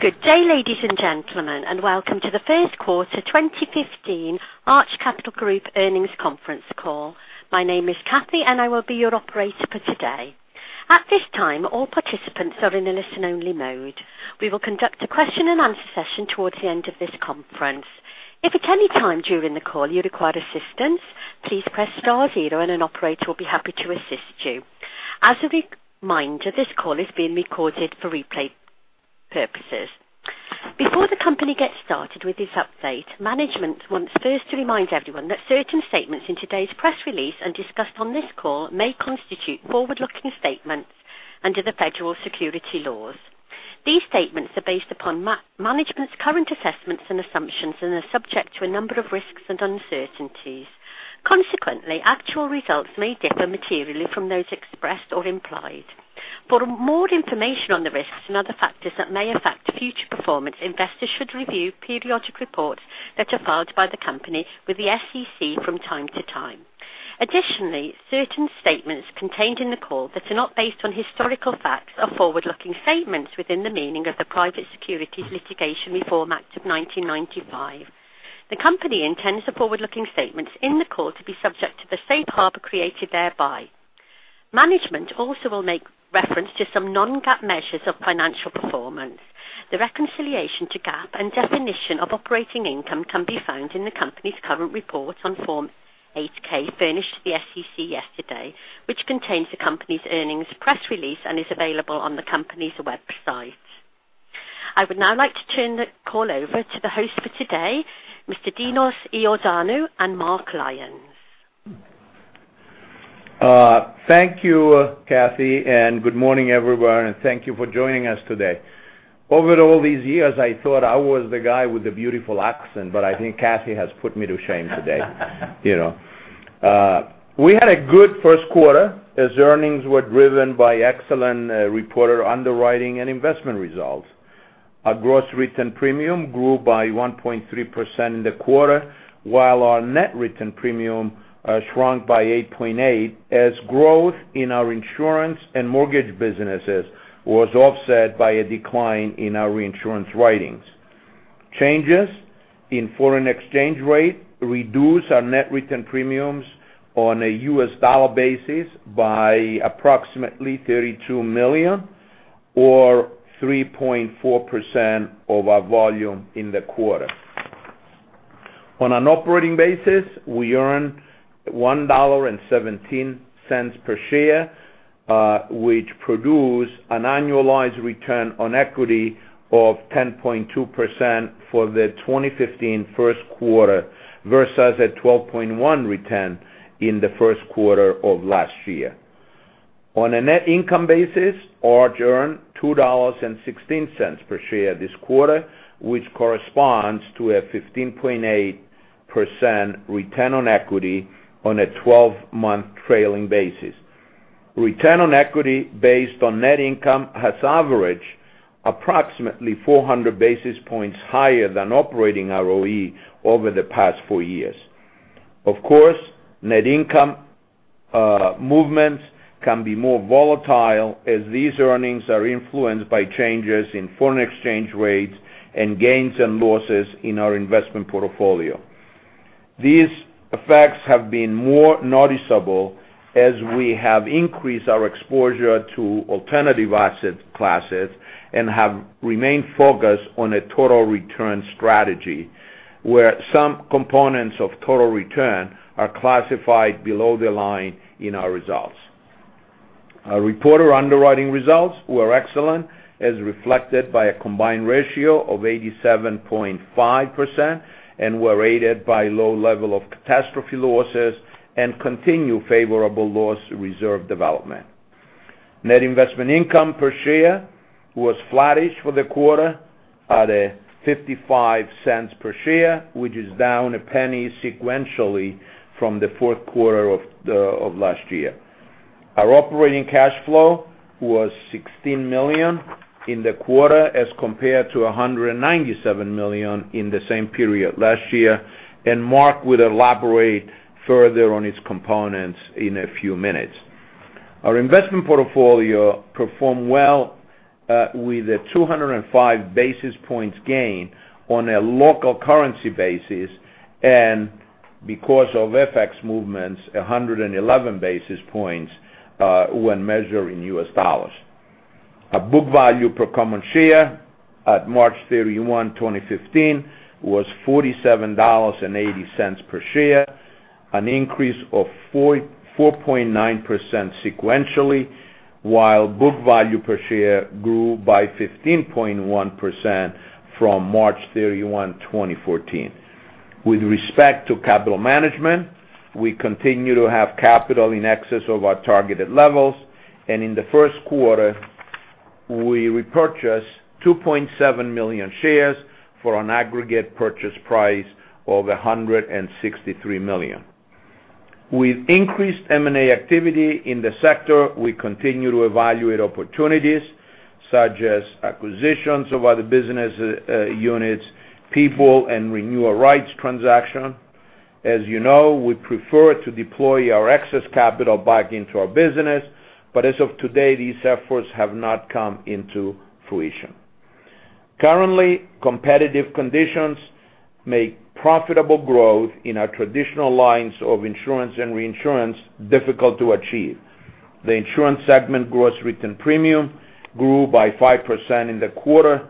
Good day, ladies and gentlemen, and welcome to the first quarter 2015 Arch Capital Group earnings conference call. My name is Cathy, and I will be your operator for today. At this time, all participants are in a listen-only mode. We will conduct a question and answer session towards the end of this conference. If at any time during the call you require assistance, please press star zero and an operator will be happy to assist you. As a reminder, this call is being recorded for replay purposes. Before the company gets started with this update, management wants first to remind everyone that certain statements in today's press release and discussed on this call may constitute forward-looking statements under the federal securities laws. These statements are based upon management's current assessments and assumptions and are subject to a number of risks and uncertainties. Actual results may differ materially from those expressed or implied. For more information on the risks and other factors that may affect future performance, investors should review periodic reports that are filed by the company with the SEC from time to time. Certain statements contained in the call that are not based on historical facts are forward-looking statements within the meaning of the Private Securities Litigation Reform Act of 1995. The company intends the forward-looking statements in the call to be subject to the safe harbor created thereby. Management also will make reference to some non-GAAP measures of financial performance. The reconciliation to GAAP and definition of operating income can be found in the company's current reports on Form 8-K furnished to the SEC yesterday, which contains the company's earnings press release and is available on the company's website. I would now like to turn the call over to the host for today, Mr. Dinos Iordanou and Mark Lyons. Thank you, Cathy. Good morning everyone, and thank you for joining us today. Over all these years, I thought I was the guy with the beautiful accent. I think Cathy has put me to shame today. We had a good first quarter as earnings were driven by excellent reported underwriting and investment results. Our gross written premium grew by 1.3% in the quarter while our net written premium shrunk by 8.8% as growth in our insurance and mortgage businesses was offset by a decline in our reinsurance writings. Changes in foreign exchange rate reduced our net written premiums on a U.S. dollar basis by approximately $32 million or 3.4% of our volume in the quarter. On an operating basis, we earned $1.17 per share, which produced an annualized return on equity of 10.2% for the 2015 first quarter versus a 12.1% return in the first quarter of last year. On a net income basis, Arch earned $2.16 per share this quarter, which corresponds to a 15.8% return on equity on a 12-month trailing basis. Return on equity based on net income has averaged approximately 400 basis points higher than operating ROE over the past four years. Of course, net income movements can be more volatile as these earnings are influenced by changes in foreign exchange rates and gains and losses in our investment portfolio. These effects have been more noticeable as we have increased our exposure to alternative asset classes and have remained focused on a total return strategy where some components of total return are classified below the line in our results. Our reported underwriting results were excellent, as reflected by a combined ratio of 87.5% and were aided by low level of catastrophe losses and continued favorable loss reserve development. Net investment income per share was flattish for the quarter at $0.55 per share, which is down a penny sequentially from the fourth quarter of last year. Our operating cash flow was $16 million in the quarter as compared to $197 million in the same period last year. Mark will elaborate further on its components in a few minutes. Our investment portfolio performed well with a 205 basis points gain on a local currency basis, because of FX movements, 111 basis points when measured in U.S. dollars. Our book value per common share at March 31, 2015, was $47.80 per share, an increase of 4.9% sequentially, while book value per share grew by 15.1% from March 31, 2014. With respect to capital management, we continue to have capital in excess of our targeted levels. In the first quarter, we repurchased 2.7 million shares for an aggregate purchase price of $163 million. With increased M&A activity in the sector, we continue to evaluate opportunities, such as acquisitions of other business units, people, and renewal rights transaction As you know, we prefer to deploy our excess capital back into our business. As of today, these efforts have not come into fruition. Currently, competitive conditions make profitable growth in our traditional lines of insurance and reinsurance difficult to achieve. The insurance segment gross written premium grew by 5% in the quarter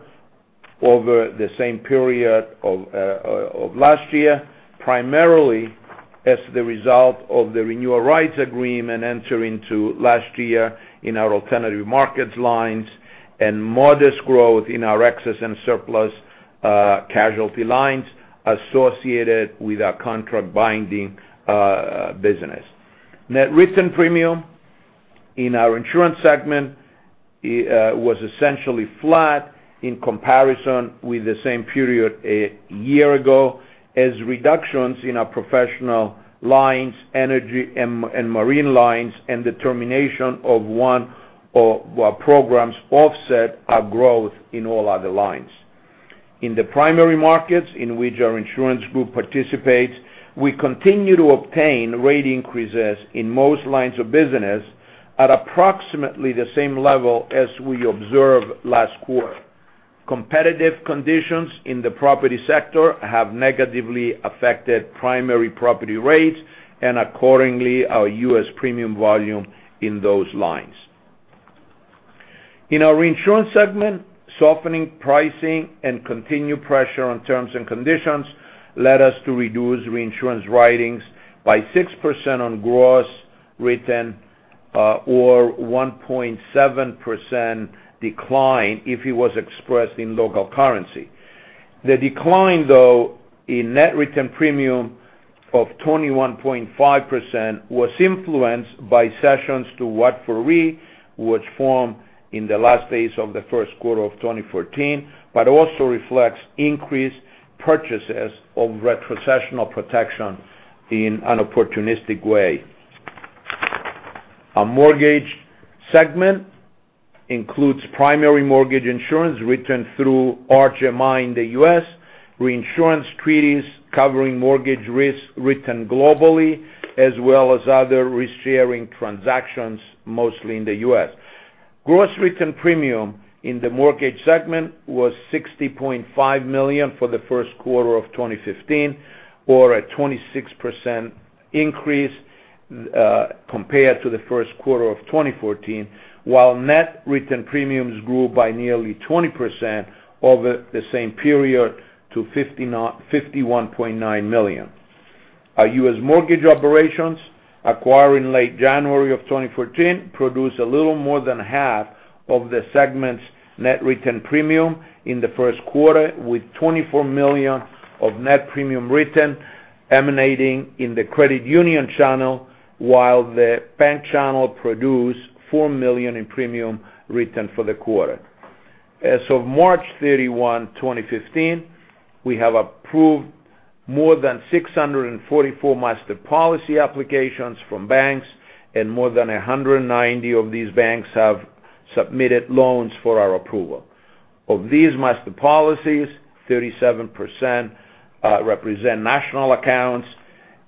over the same period of last year, primarily as the result of the renewal rights agreement entering to last year in our alternative markets lines and modest growth in our excess and surplus casualty lines associated with our contract binding business. Net written premium in our insurance segment was essentially flat in comparison with the same period a year ago as reductions in our professional lines, energy and marine lines, and the termination of one of our programs offset our growth in all other lines. In the primary markets in which our insurance group participates, we continue to obtain rate increases in most lines of business at approximately the same level as we observed last quarter. Competitive conditions in the property sector have negatively affected primary property rates and accordingly, our U.S. premium volume in those lines. In our reinsurance segment, softening pricing and continued pressure on terms and conditions led us to reduce reinsurance writings by 6% on gross written, or 1.7% decline if it was expressed in local currency. The decline though in net written premium of 21.5% was influenced by cessions to Watford Re was formed in the last days of the first quarter of 2014, but also reflects increased purchases of retrocessional protection in an opportunistic way. Our mortgage segment includes primary mortgage insurance written through Arch MI in the U.S., reinsurance treaties covering mortgage risk written globally, as well as other risk-sharing transactions, mostly in the U.S. Gross written premium in the mortgage segment was $60.5 million for the first quarter of 2015, or a 26% increase compared to the first quarter of 2014. While net written premiums grew by nearly 20% over the same period to $51.9 million. Our U.S. mortgage operations acquired in late January of 2014 produce a little more than half of the segment's net written premium in the first quarter, with $24 million of net premium written emanating in the credit union channel, while the bank channel produced $4 million in premium written for the quarter. As of March 31, 2015, we have approved more than 644 master policy applications from banks and more than 190 of these banks have submitted loans for our approval. Of these master policies, 37% represent national accounts,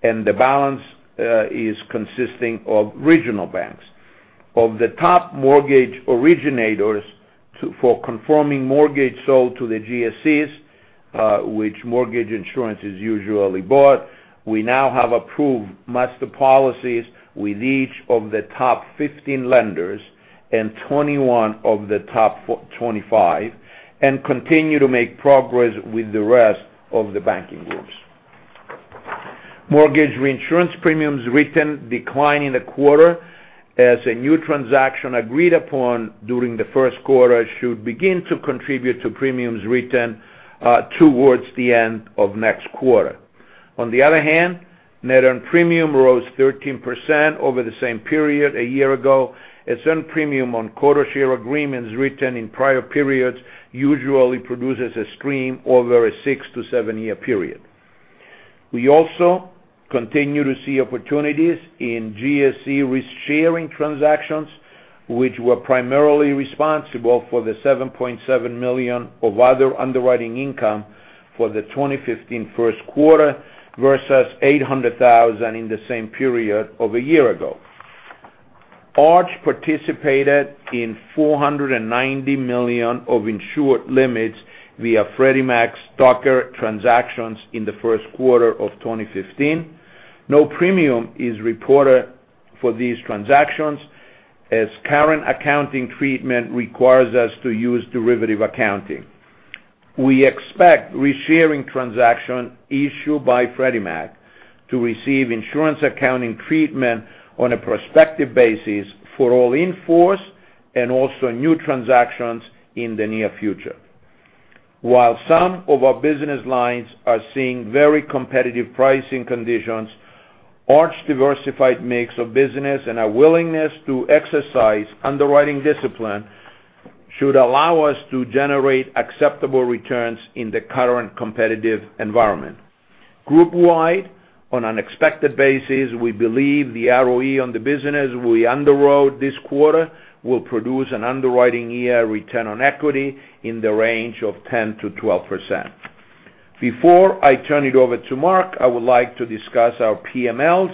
and the balance is consisting of regional banks. Of the top mortgage originators for conforming mortgage sold to the GSEs which mortgage insurance is usually bought, we now have approved master policies with each of the top 15 lenders and 21 of the top 25 and continue to make progress with the rest of the banking groups. Mortgage reinsurance premiums written declined in the quarter as a new transaction agreed upon during the first quarter should begin to contribute to premiums written towards the end of next quarter. On the other hand, net earned premium rose 13% over the same period a year ago, as earned premium on quota share agreements written in prior periods usually produces a stream over a six to seven year period. We also continue to see opportunities in GSE risk sharing transactions, which were primarily responsible for the $7.7 million of other underwriting income for the 2015 first quarter versus $800,000 in the same period of a year ago. Arch participated in $490 million of insured limits via Freddie Mac's STACR transactions in the first quarter of 2015. No premium is reported for these transactions as current accounting treatment requires us to use derivative accounting. We expect risk sharing transaction issued by Freddie Mac to receive insurance accounting treatment on a prospective basis for all in-force and also new transactions in the near future. While some of our business lines are seeing very competitive pricing conditions, Arch's diversified mix of business and our willingness to exercise underwriting discipline should allow us to generate acceptable returns in the current competitive environment. Group wide, on an expected basis, we believe the ROE on the business we underwrote this quarter will produce an underwriting year return on equity in the range of 10%-12%. Before I turn it over to Mark, I would like to discuss our PMLs.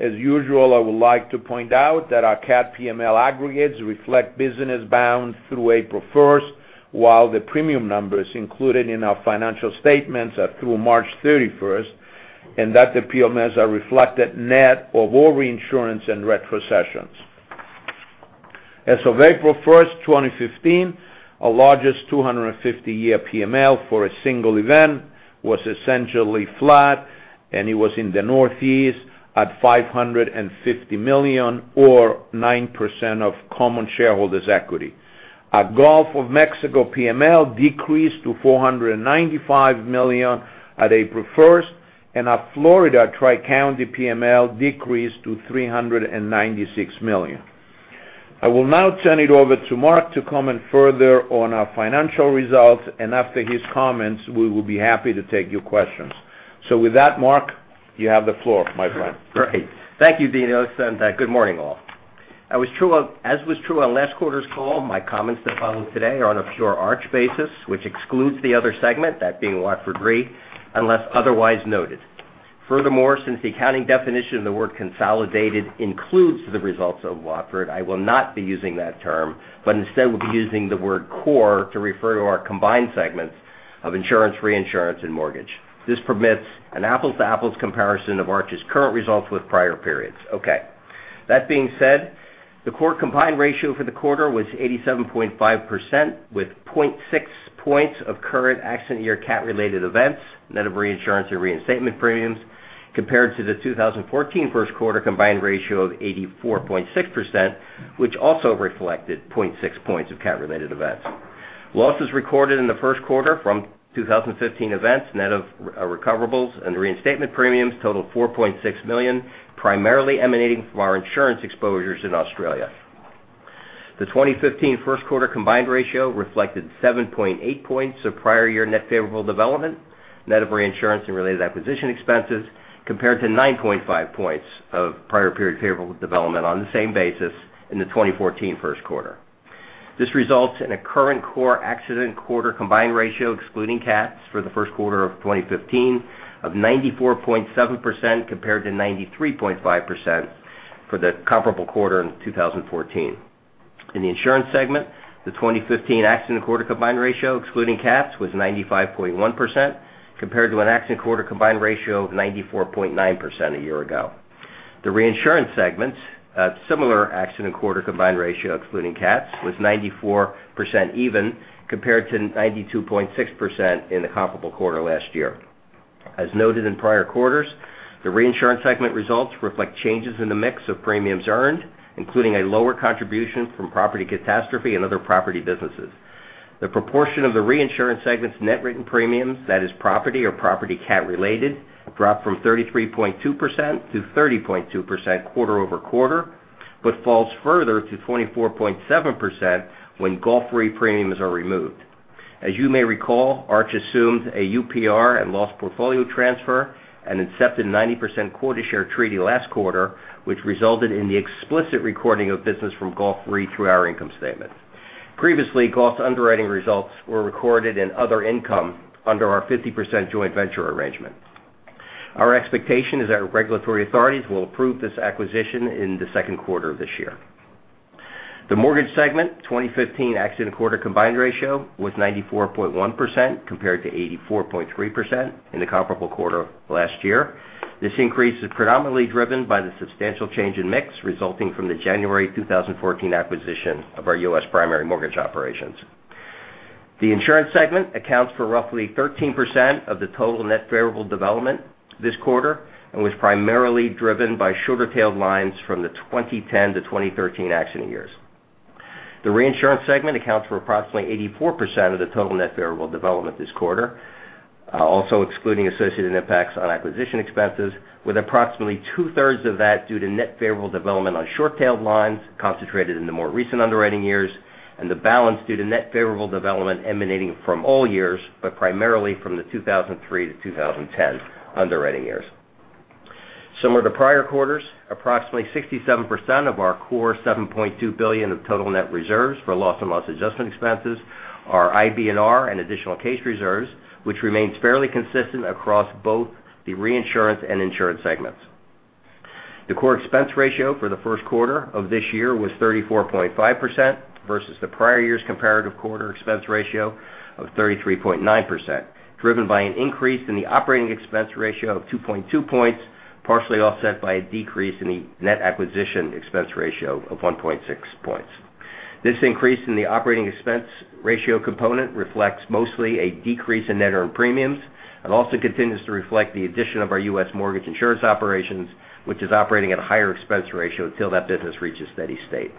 As usual, I would like to point out that our cat PML aggregates reflect business bound through April 1st, while the premium numbers included in our financial statements are through March 31st, and that the PMLs are reflected net of all reinsurance and retrocessions. As of April 1st, 2015, our largest 250-year PML for a single event was essentially flat, and it was in the Northeast at $550 million or 9% of common shareholders' equity. Our Gulf of Mexico PML decreased to $495 million on April 1st, and our Florida Tri-County PML decreased to $396 million. I will now turn it over to Mark to comment further on our financial results, and after his comments, we will be happy to take your questions. With that, Mark, you have the floor, my friend. Great. Thank you, Dinos, and good morning, all. As was true on last quarter's call, my comments that follow today are on a pure Arch basis, which excludes the other segment, that being Watford Re, unless otherwise noted. Furthermore, since the accounting definition of the word consolidated includes the results of Watford, I will not be using that term, but instead will be using the word core to refer to our combined segments of insurance, reinsurance, and mortgage. This permits an apples-to-apples comparison of Arch's current results with prior periods. Okay. That being said, the core combined ratio for the quarter was 87.5% with 0.6 points of current accident year cat-related events, net of reinsurance and reinstatement premiums, compared to the 2014 first quarter combined ratio of 84.6%, which also reflected 0.6 points of cat-related events. Losses recorded in the first quarter from 2015 events, net of recoverables and reinstatement premiums totaled $4.6 million, primarily emanating from our insurance exposures in Australia. The 2015 first quarter combined ratio reflected 7.8 points of prior year net favorable development, net of reinsurance and related acquisition expenses, compared to 9.5 points of prior period favorable development on the same basis in the 2014 first quarter. This results in a current core accident quarter combined ratio excluding cats for the first quarter of 2015 of 94.7%, compared to 93.5% for the comparable quarter in 2014. In the insurance segment, the 2015 accident quarter combined ratio excluding cats was 95.1%, compared to an accident quarter combined ratio of 94.9% a year ago. The reinsurance segment's similar accident quarter combined ratio excluding cats was 94% even, compared to 92.6% in the comparable quarter last year. As noted in prior quarters, the reinsurance segment results reflect changes in the mix of premiums earned, including a lower contribution from property catastrophe and other property businesses. The proportion of the reinsurance segment's net written premiums, that is property or property cat related, dropped from 33.2% to 30.2% quarter-over-quarter, but falls further to 24.7% when Gulf Re premiums are removed. As you may recall, Arch assumed a UPR and loss portfolio transfer and accepted 90% quota share treaty last quarter, which resulted in the explicit recording of business from Gulf Re through our income statement. Previously, Gulf's underwriting results were recorded in other income under our 50% joint venture arrangement. Our expectation is that regulatory authorities will approve this acquisition in the second quarter of this year. The mortgage segment 2015 accident quarter combined ratio was 94.1%, compared to 84.3% in the comparable quarter last year. This increase is predominantly driven by the substantial change in mix resulting from the January 2014 acquisition of our U.S. primary mortgage operations. The Insurance segment accounts for roughly 13% of the total net variable development this quarter and was primarily driven by shorter tailed lines from the 2010 to 2013 accident years. The Reinsurance segment accounts for approximately 84% of the total net variable development this quarter, also excluding associated impacts on acquisition expenses, with approximately two-thirds of that due to net favorable development on short-tailed lines concentrated in the more recent underwriting years, and the balance due to net favorable development emanating from all years, but primarily from the 2003 to 2010 underwriting years. Similar to prior quarters, approximately 67% of our core $7.2 billion of total net reserves for loss and loss adjustment expenses are IBNR and additional case reserves, which remains fairly consistent across both the Reinsurance and Insurance segments. The core expense ratio for the first quarter of this year was 34.5% versus the prior year's comparative quarter expense ratio of 33.9%, driven by an increase in the operating expense ratio of 2.2 points, partially offset by a decrease in the net acquisition expense ratio of 1.6 points. This increase in the operating expense ratio component reflects mostly a decrease in net earned premiums and also continues to reflect the addition of our U.S. mortgage insurance operations, which is operating at a higher expense ratio until that business reaches steady state.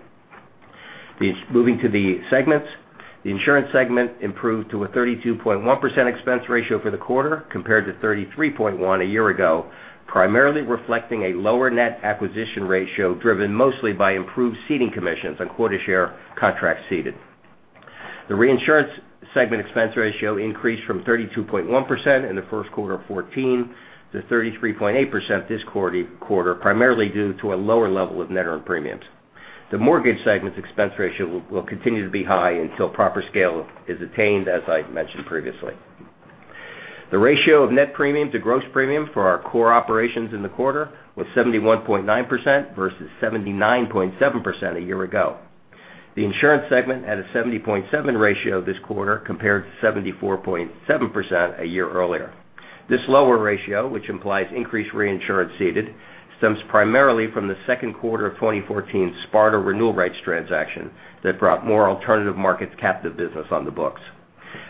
Moving to the segments. The Insurance segment improved to a 32.1% expense ratio for the quarter, compared to 33.1% a year ago, primarily reflecting a lower net acquisition ratio driven mostly by improved ceding commissions on quota share contracts ceded. The Reinsurance segment expense ratio increased from 32.1% in the first quarter of 2014 to 33.8% this quarter, primarily due to a lower level of net earned premiums. The Mortgage segment's expense ratio will continue to be high until proper scale is attained, as I mentioned previously. The ratio of net premium to gross premium for our core operations in the quarter was 71.9% versus 79.7% a year ago. The Insurance segment had a 70.7% ratio this quarter compared to 74.7% a year earlier. This lower ratio, which implies increased reinsurance ceded, stems primarily from the second quarter of 2014 SPARTA renewal rights transaction that brought more alternative markets captive business on the books.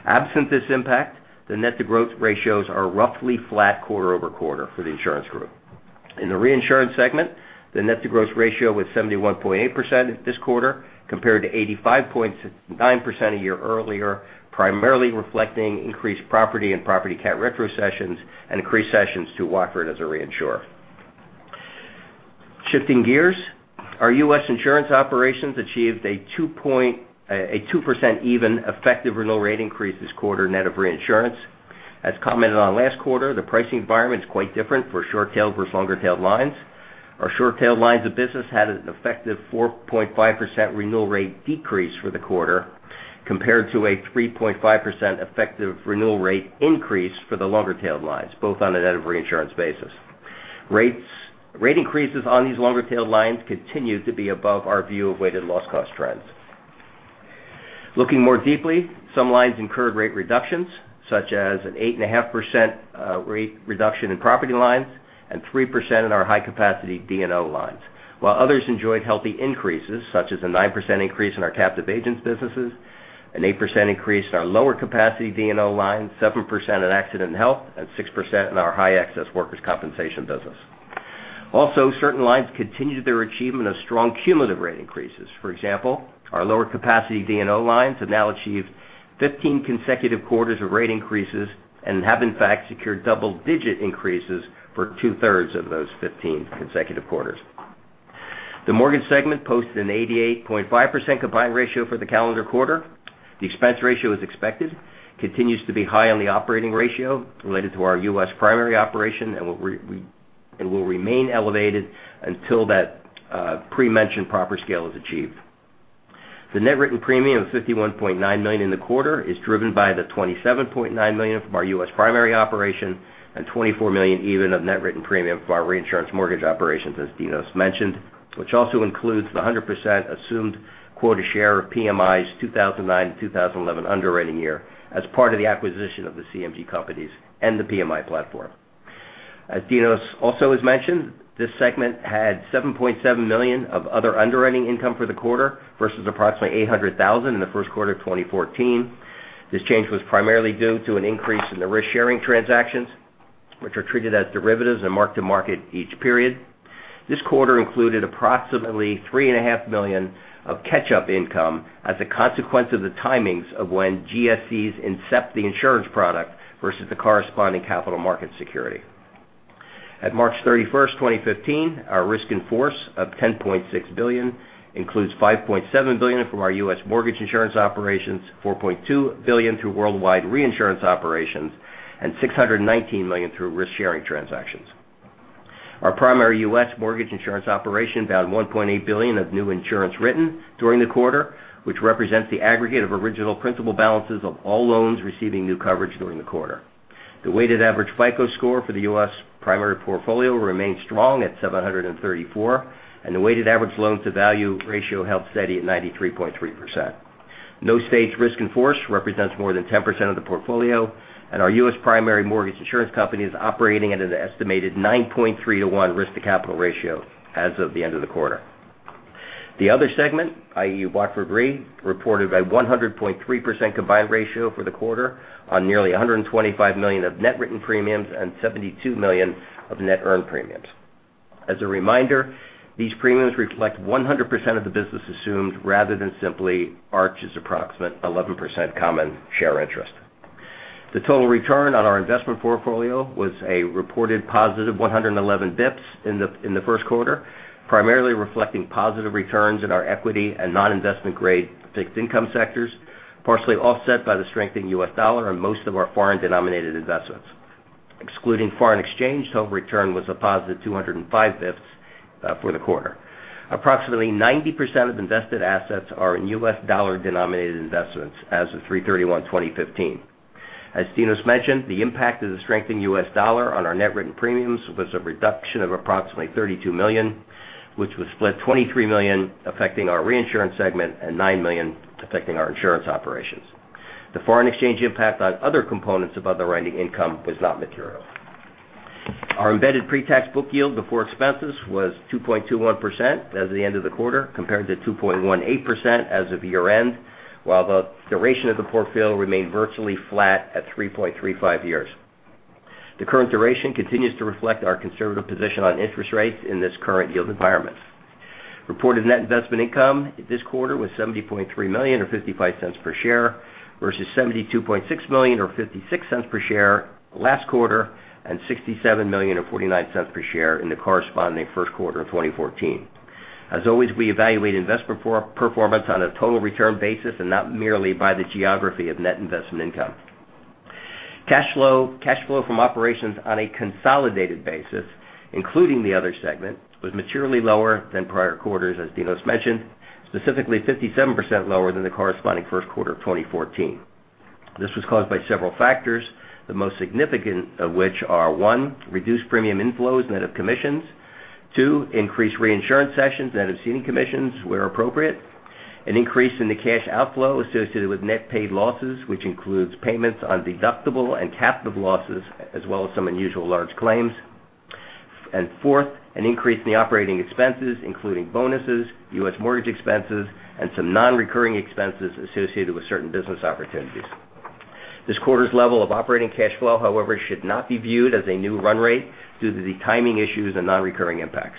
Absent this impact, the net to gross ratios are roughly flat quarter-over-quarter for the Insurance group. In the Reinsurance segment, the net to gross ratio was 71.8% this quarter, compared to 85.9% a year earlier, primarily reflecting increased property and property cat retrocessions and increased cessions to Watford as a reinsurer. Shifting gears, our U.S. Insurance operations achieved a 2% even effective renewal rate increase this quarter, net of reinsurance. As commented on last quarter, the pricing environment is quite different for short tail versus longer tail lines. Our short tail lines of business had an effective 4.5% renewal rate decrease for the quarter, compared to a 3.5% effective renewal rate increase for the longer tail lines, both on a net of reinsurance basis. Rate increases on these longer tail lines continue to be above our view of weighted loss cost trends. Looking more deeply, some lines incurred rate reductions, such as an 8.5% rate reduction in property lines and 3% in our high capacity D&O lines. Others enjoyed healthy increases, such as a 9% increase in our captive agents businesses, an 8% increase in our lower capacity D&O lines, 7% in accident and health, and 6% in our high excess workers compensation business. Certain lines continued their achievement of strong cumulative rate increases. For example, our lower capacity D&O lines have now achieved 15 consecutive quarters of rate increases and have in fact secured double digit increases for two-thirds of those 15 consecutive quarters. The mortgage segment posted an 88.5% combined ratio for the calendar quarter. The expense ratio as expected, continues to be high on the operating ratio related to our U.S. primary operation and will remain elevated until that pre-mentioned proper scale is achieved. The net written premium of $51.9 million in the quarter is driven by the $27.9 million from our U.S. primary operation and $24 million even of net written premium for our reinsurance mortgage operations, as Dinos mentioned, which also includes the 100% assumed quota share of PMI's 2009 and 2011 underwriting year as part of the acquisition of the CMG companies and the PMI platform. As Dinos also has mentioned, this segment had $7.7 million of other underwriting income for the quarter versus approximately $800,000 in the first quarter of 2014. This change was primarily due to an increase in the risk-sharing transactions, which are treated as derivatives and marked to market each period. This quarter included approximately $3.5 million of catch-up income as a consequence of the timings of when GSEs incept the insurance product versus the corresponding capital market security. At March 31st, 2015, our risk in force of $10.6 billion includes $5.7 billion from our U.S. mortgage insurance operations, $4.2 billion through worldwide reinsurance operations, and $619 million through risk-sharing transactions. Our primary U.S. mortgage insurance operation bound $1.8 billion of new insurance written during the quarter, which represents the aggregate of original principal balances of all loans receiving new coverage during the quarter. The weighted average FICO score for the U.S. primary portfolio remained strong at 734, and the weighted average loan to value ratio held steady at 93.3%. No stage risk in force represents more than 10% of the portfolio, and our U.S. primary mortgage insurance company is operating at an estimated 9.3 to one risk to capital ratio as of the end of the quarter. The other segment, i.e. Watford Re, reported a 100.3% combined ratio for the quarter on nearly $125 million of net written premiums and $72 million of net earned premiums. These premiums reflect 100% of the business assumed rather than simply Arch's approximate 11% common share interest. The total return on our investment portfolio was a reported positive 111 basis points in the first quarter, primarily reflecting positive returns in our equity and non-investment grade fixed income sectors, partially offset by the strengthening U.S. dollar on most of our foreign denominated investments. Excluding foreign exchange, total return was a positive 205 basis points for the quarter. Approximately 90% of invested assets are in U.S. dollar denominated investments as of 3/31/2015. As Dinos mentioned, the impact of the strengthening US dollar on our net written premiums was a reduction of approximately $32 million, which was split $23 million affecting our reinsurance segment and $9 million affecting our insurance operations. The foreign exchange impact on other components of underwriting income was not material. Our embedded pre-tax book yield before expenses was 2.21% as of the end of the quarter, compared to 2.18% as of year-end, while the duration of the portfolio remained virtually flat at 3.35 years. The current duration continues to reflect our conservative position on interest rates in this current yield environment. Reported net investment income this quarter was $70.3 million, or $0.55 per share, versus $72.6 million or $0.56 per share last quarter and $67 million or $0.49 per share in the corresponding first quarter of 2014. As always, we evaluate investment performance on a total return basis and not merely by the geography of net investment income. Cash flow from operations on a consolidated basis, including the other segment, was materially lower than prior quarters, as Dinos mentioned, specifically 57% lower than the corresponding first quarter of 2014. This was caused by several factors, the most significant of which are: 1, reduced premium inflows net of commissions. 2, increased reinsurance cessions net of ceding commissions where appropriate. 3, an increase in the cash outflow associated with net paid losses, which includes payments on deductible and captive losses, as well as some unusual large claims. 4, an increase in the operating expenses, including bonuses, U.S. mortgage expenses, and some non-recurring expenses associated with certain business opportunities. This quarter's level of operating cash flow, however, should not be viewed as a new run rate due to the timing issues and non-recurring impacts.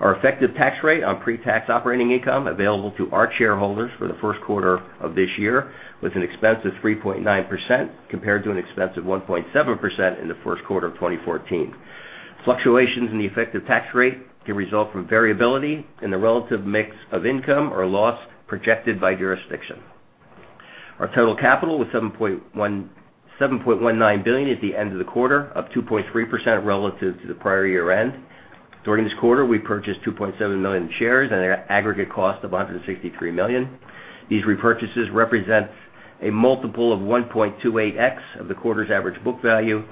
Our effective tax rate on pre-tax operating income available to our shareholders for the first quarter of this year was an expensive 3.9%, compared to an expensive 1.7% in the first quarter of 2014. Fluctuations in the effective tax rate can result from variability in the relative mix of income or loss projected by jurisdiction. Our total capital was $7.19 billion at the end of the quarter, up 2.3% relative to the prior year-end. During this quarter, we purchased 2.7 million shares at an aggregate cost of $163 million. These repurchases represent a multiple of 1.28x of the quarter's average book value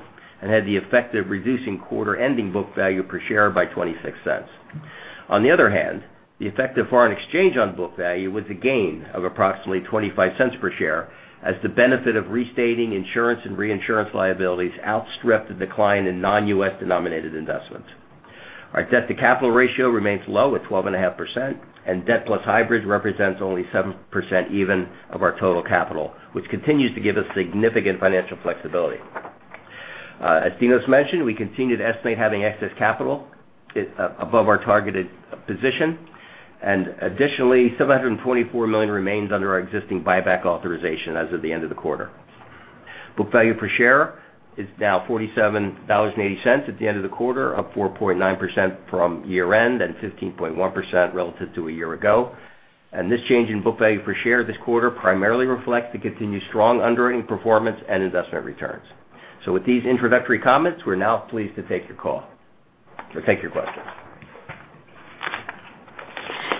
and had the effect of reducing quarter-ending book value per share by $0.26. On the other hand, the effect of foreign exchange on book value was a gain of approximately $0.25 per share as the benefit of restating insurance and reinsurance liabilities outstripped the decline in non-U.S. denominated investments. Our debt-to-capital ratio remains low at 12.5%, and debt plus hybrid represents only 7% even of our total capital, which continues to give us significant financial flexibility. As Dinos mentioned, we continue to estimate having excess capital above our targeted position, and additionally, $724 million remains under our existing buyback authorization as of the end of the quarter. Book value per share is now $47.80 at the end of the quarter, up 4.9% from year-end and 15.1% relative to a year ago. This change in book value per share this quarter primarily reflects the continued strong underwriting performance and investment returns. With these introductory comments, we're now pleased to take your questions.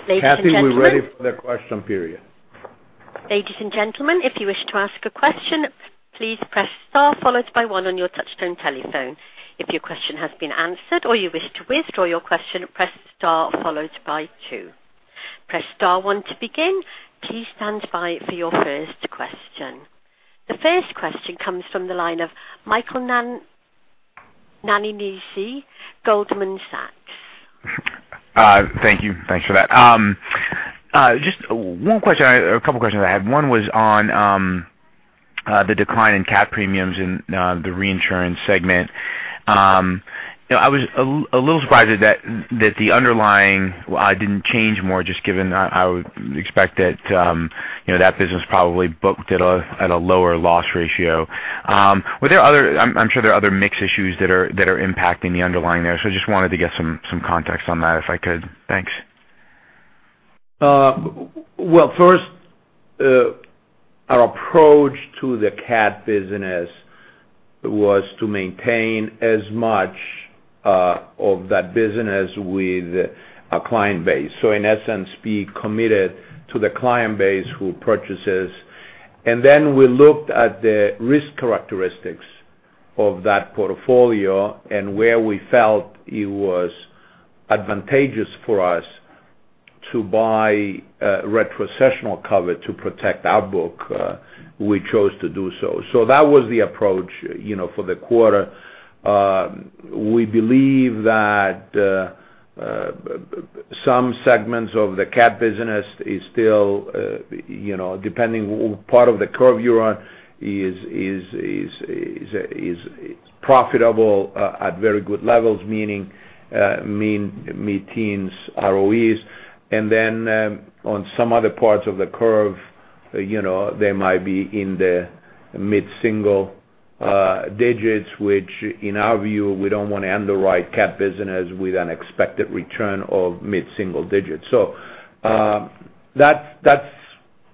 Ladies and gentlemen- Kathy, we're ready for the question period. Ladies and gentlemen, if you wish to ask a question, please press star followed by one on your touchtone telephone. If your question has been answered or you wish to withdraw your question, press star followed by two. Press star one to begin. Please stand by for your first question. The first question comes from the line of Michael Nannizzi, Goldman Sachs. Thank you. Thanks for that. Just a two of questions I have. One was on the decline in cat premiums in the reinsurance segment. I was a little surprised at that the underlying didn't change more, just given I would expect that business probably booked at a lower loss ratio. I'm sure there are other mix issues that are impacting the underlying there. I just wanted to get some context on that if I could. Thanks. Well, first, our approach to the cat business was to maintain as much of that business with a client base. In essence, be committed to the client base who purchases. We looked at the risk characteristics of that portfolio and where we felt it was advantageous for us to buy retrocessional cover to protect our book, we chose to do so. That was the approach for the quarter. We believe that some segments of the cat business is still, depending on what part of the curve you're on, is profitable at very good levels, meaning mid-teens ROEs. On some other parts of the curve, they might be in the mid-single digits, which in our view, we don't want to underwrite cat business with an expected return of mid-single digits. That's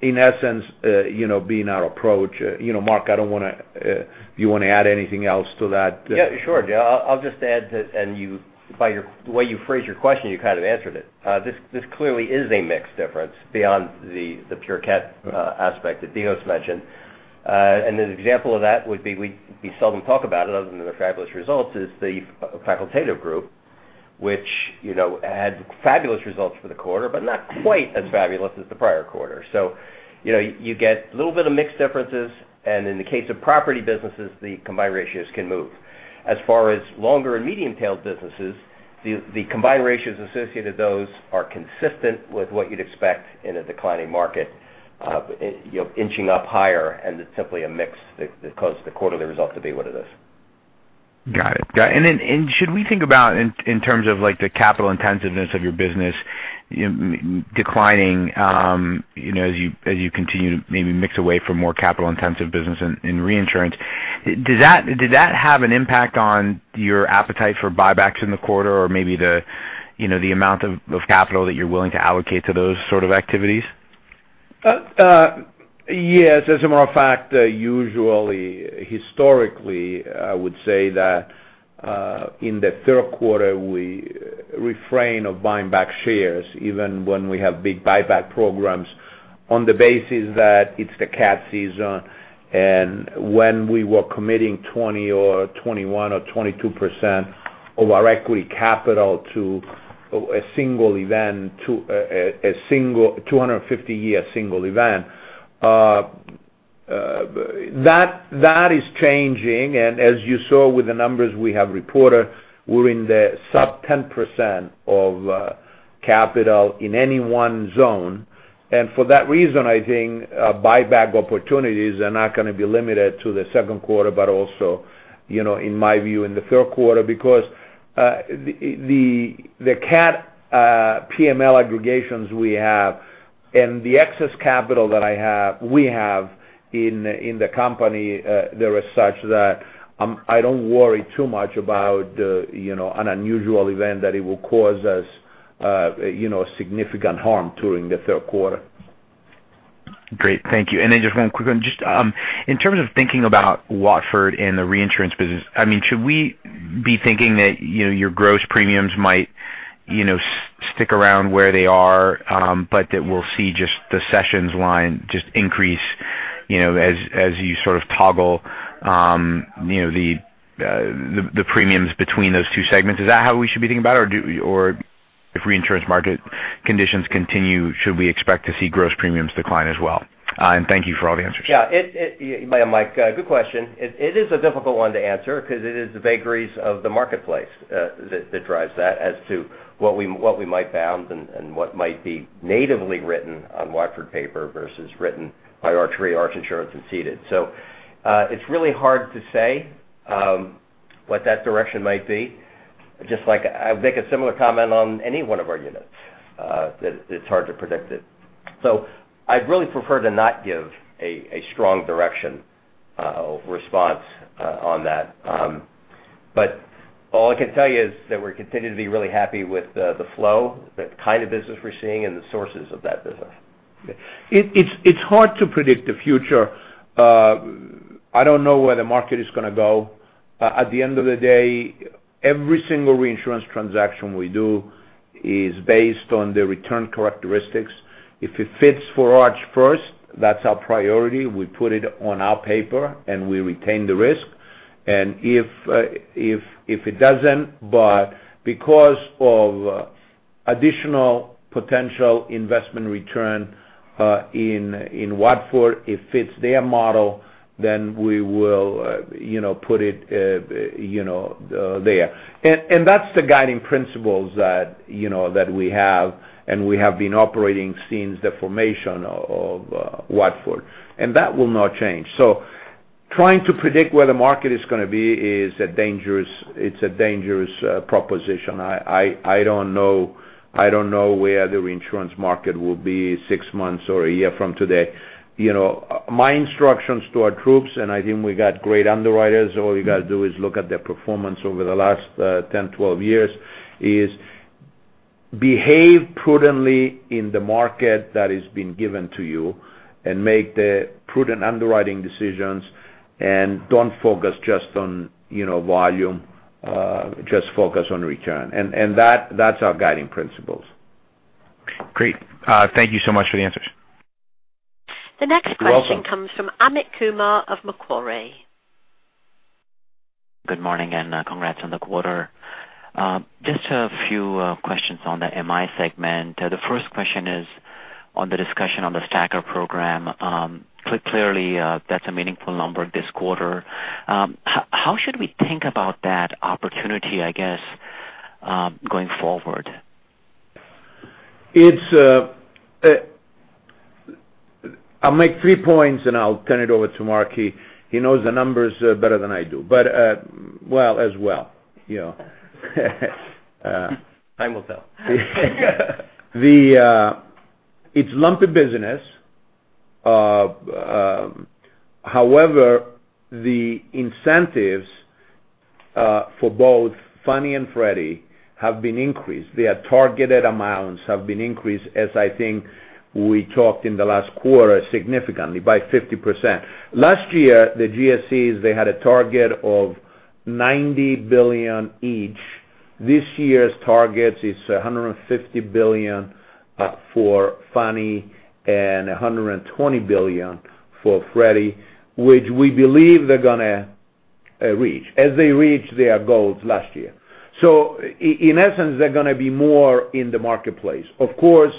in essence being our approach. Mark, do you want to add anything else to that? Yeah, sure. I'll just add that, by the way you phrased your question, you kind of answered it. This clearly is a mix difference beyond the pure cat aspect that Dinos mentioned. An example of that would be, we seldom talk about it other than the fabulous results, is the facultative group, which had fabulous results for the quarter, but not quite as fabulous as the prior quarter. You get a little bit of mix differences, in the case of property businesses, the combined ratios can move. As far as longer and medium-tailed businesses, the combined ratios associated with those are consistent with what you'd expect in a declining market, inching up higher, it's simply a mix that caused the quarterly result to be what it is. Got it. Should we think about in terms of the capital intensiveness of your business declining as you continue to maybe mix away from more capital-intensive business in reinsurance, did that have an impact on your appetite for buybacks in the quarter or maybe the amount of capital that you're willing to allocate to those sort of activities? Yes. As a matter of fact, usually, historically, I would say that in the third quarter, we refrain of buying back shares even when we have big buyback programs on the basis that it's the cat season and when we were committing 20 or 21 or 22% of our equity capital to a 250-year single event. That is changing and as you saw with the numbers we have reported, we're in the sub 10% of capital in any one zone. For that reason, I think buyback opportunities are not going to be limited to the second quarter, but also, in my view, in the third quarter because the cat PML aggregations we have and the excess capital that we have in the company, they are such that I don't worry too much about an unusual event that it will cause us significant harm during the third quarter. Great. Thank you. Then just one quick one. Just in terms of thinking about Watford and the reinsurance business, should we be thinking that your gross premiums might stick around where they are but that we'll see just the cessions line just increase as you sort of toggle the premiums between those two segments? Is that how we should be thinking about it? Or if reinsurance market conditions continue, should we expect to see gross premiums decline as well? Thank you for all the answers. Yeah. Mike, good question. It is a difficult one to answer because it is the vagaries of the marketplace that drives that as to what we might bound and what might be natively written on Watford Paper versus written by Arch Re, Arch Insurance, and ceded. It's really hard to say what that direction might be. I'd make a similar comment on any one of our units, that it's hard to predict it. I'd really prefer to not give a strong direction response on that. All I can tell you is that we continue to be really happy with the flow, the kind of business we're seeing, and the sources of that business. It's hard to predict the future. I don't know where the market is going to go. At the end of the day, every single reinsurance transaction we do is based on the return characteristics. If it fits for Arch first, that's our priority. We put it on our paper and we retain the risk. If it doesn't, but because of additional potential investment return in Watford, it fits their model, then we will put it there. That's the guiding principles that we have and we have been operating since the formation of Watford. That will not change. Trying to predict where the market is going to be is a dangerous proposition. I don't know where the reinsurance market will be six months or a year from today. My instructions to our troops, and I think we got great underwriters, all you got to do is look at their performance over the last 10, 12 years, is behave prudently in the market that has been given to you and make the prudent underwriting decisions and don't focus just on volume, just focus on return. That's our guiding principles. Great. Thank you so much for the answers. You're welcome. The next question comes from Amit Kumar of Macquarie. Good morning. Congrats on the quarter. Just a few questions on the MI segment. The first question is on the discussion on the STACR program. Clearly, that's a meaningful number this quarter. How should we think about that opportunity, I guess, going forward? I'll make three points and I'll turn it over to Mark. He knows the numbers better than I do. Well, as well. Time will tell. It's lumpy business. However, the incentives for both Fannie and Freddie have been increased. Their targeted amounts have been increased as I think we talked in the last quarter significantly by 50%. Last year, the GSEs, they had a target of $90 billion each. This year's target is $150 billion for Fannie and $120 billion for Freddie, which we believe they're going to reach as they reached their goals last year. In essence, they're going to be more in the marketplace. Of course,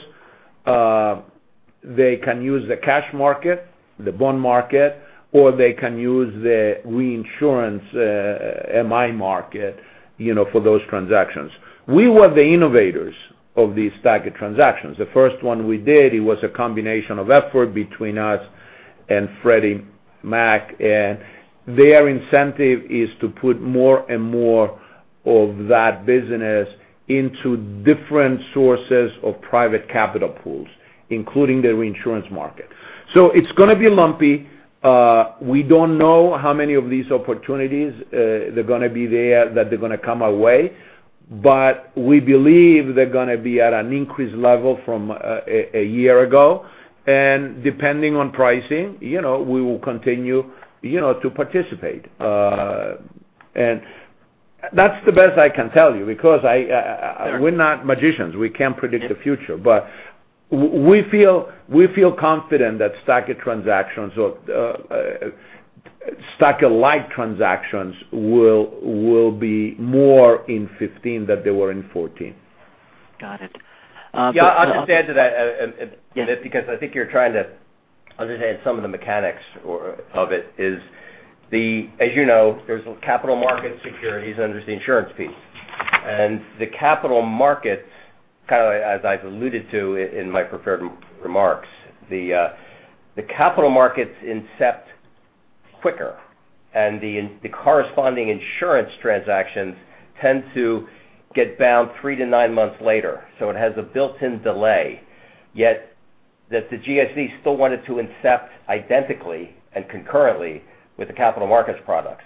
they can use the cash market, the bond market, or they can use the reinsurance MI market for those transactions. We were the innovators of these target transactions. The first one we did, it was a combination of effort between us and Freddie Mac. Their incentive is to put more and more of that business into different sources of private capital pools, including the reinsurance market. It's going to be lumpy. We don't know how many of these opportunities they're going to be there that they're going to come our way. We believe they're going to be at an increased level from a year ago. Depending on pricing, we will continue to participate. That's the best I can tell you, because we're not magicians. We can't predict the future. We feel confident that STACR transactions or STACR-like transactions will be more in 2015 than they were in 2014. Got it. Yeah, I'll just add to that, because I think you're trying to understand some of the mechanics of it is, as you know, there's capital markets securities under the insurance piece. The capital markets, kind of as I've alluded to in my prepared remarks, the capital markets incept quicker, the corresponding insurance transactions tend to get bound three to nine months later. It has a built-in delay, yet that the GSE still wanted to incept identically and concurrently with the capital markets product.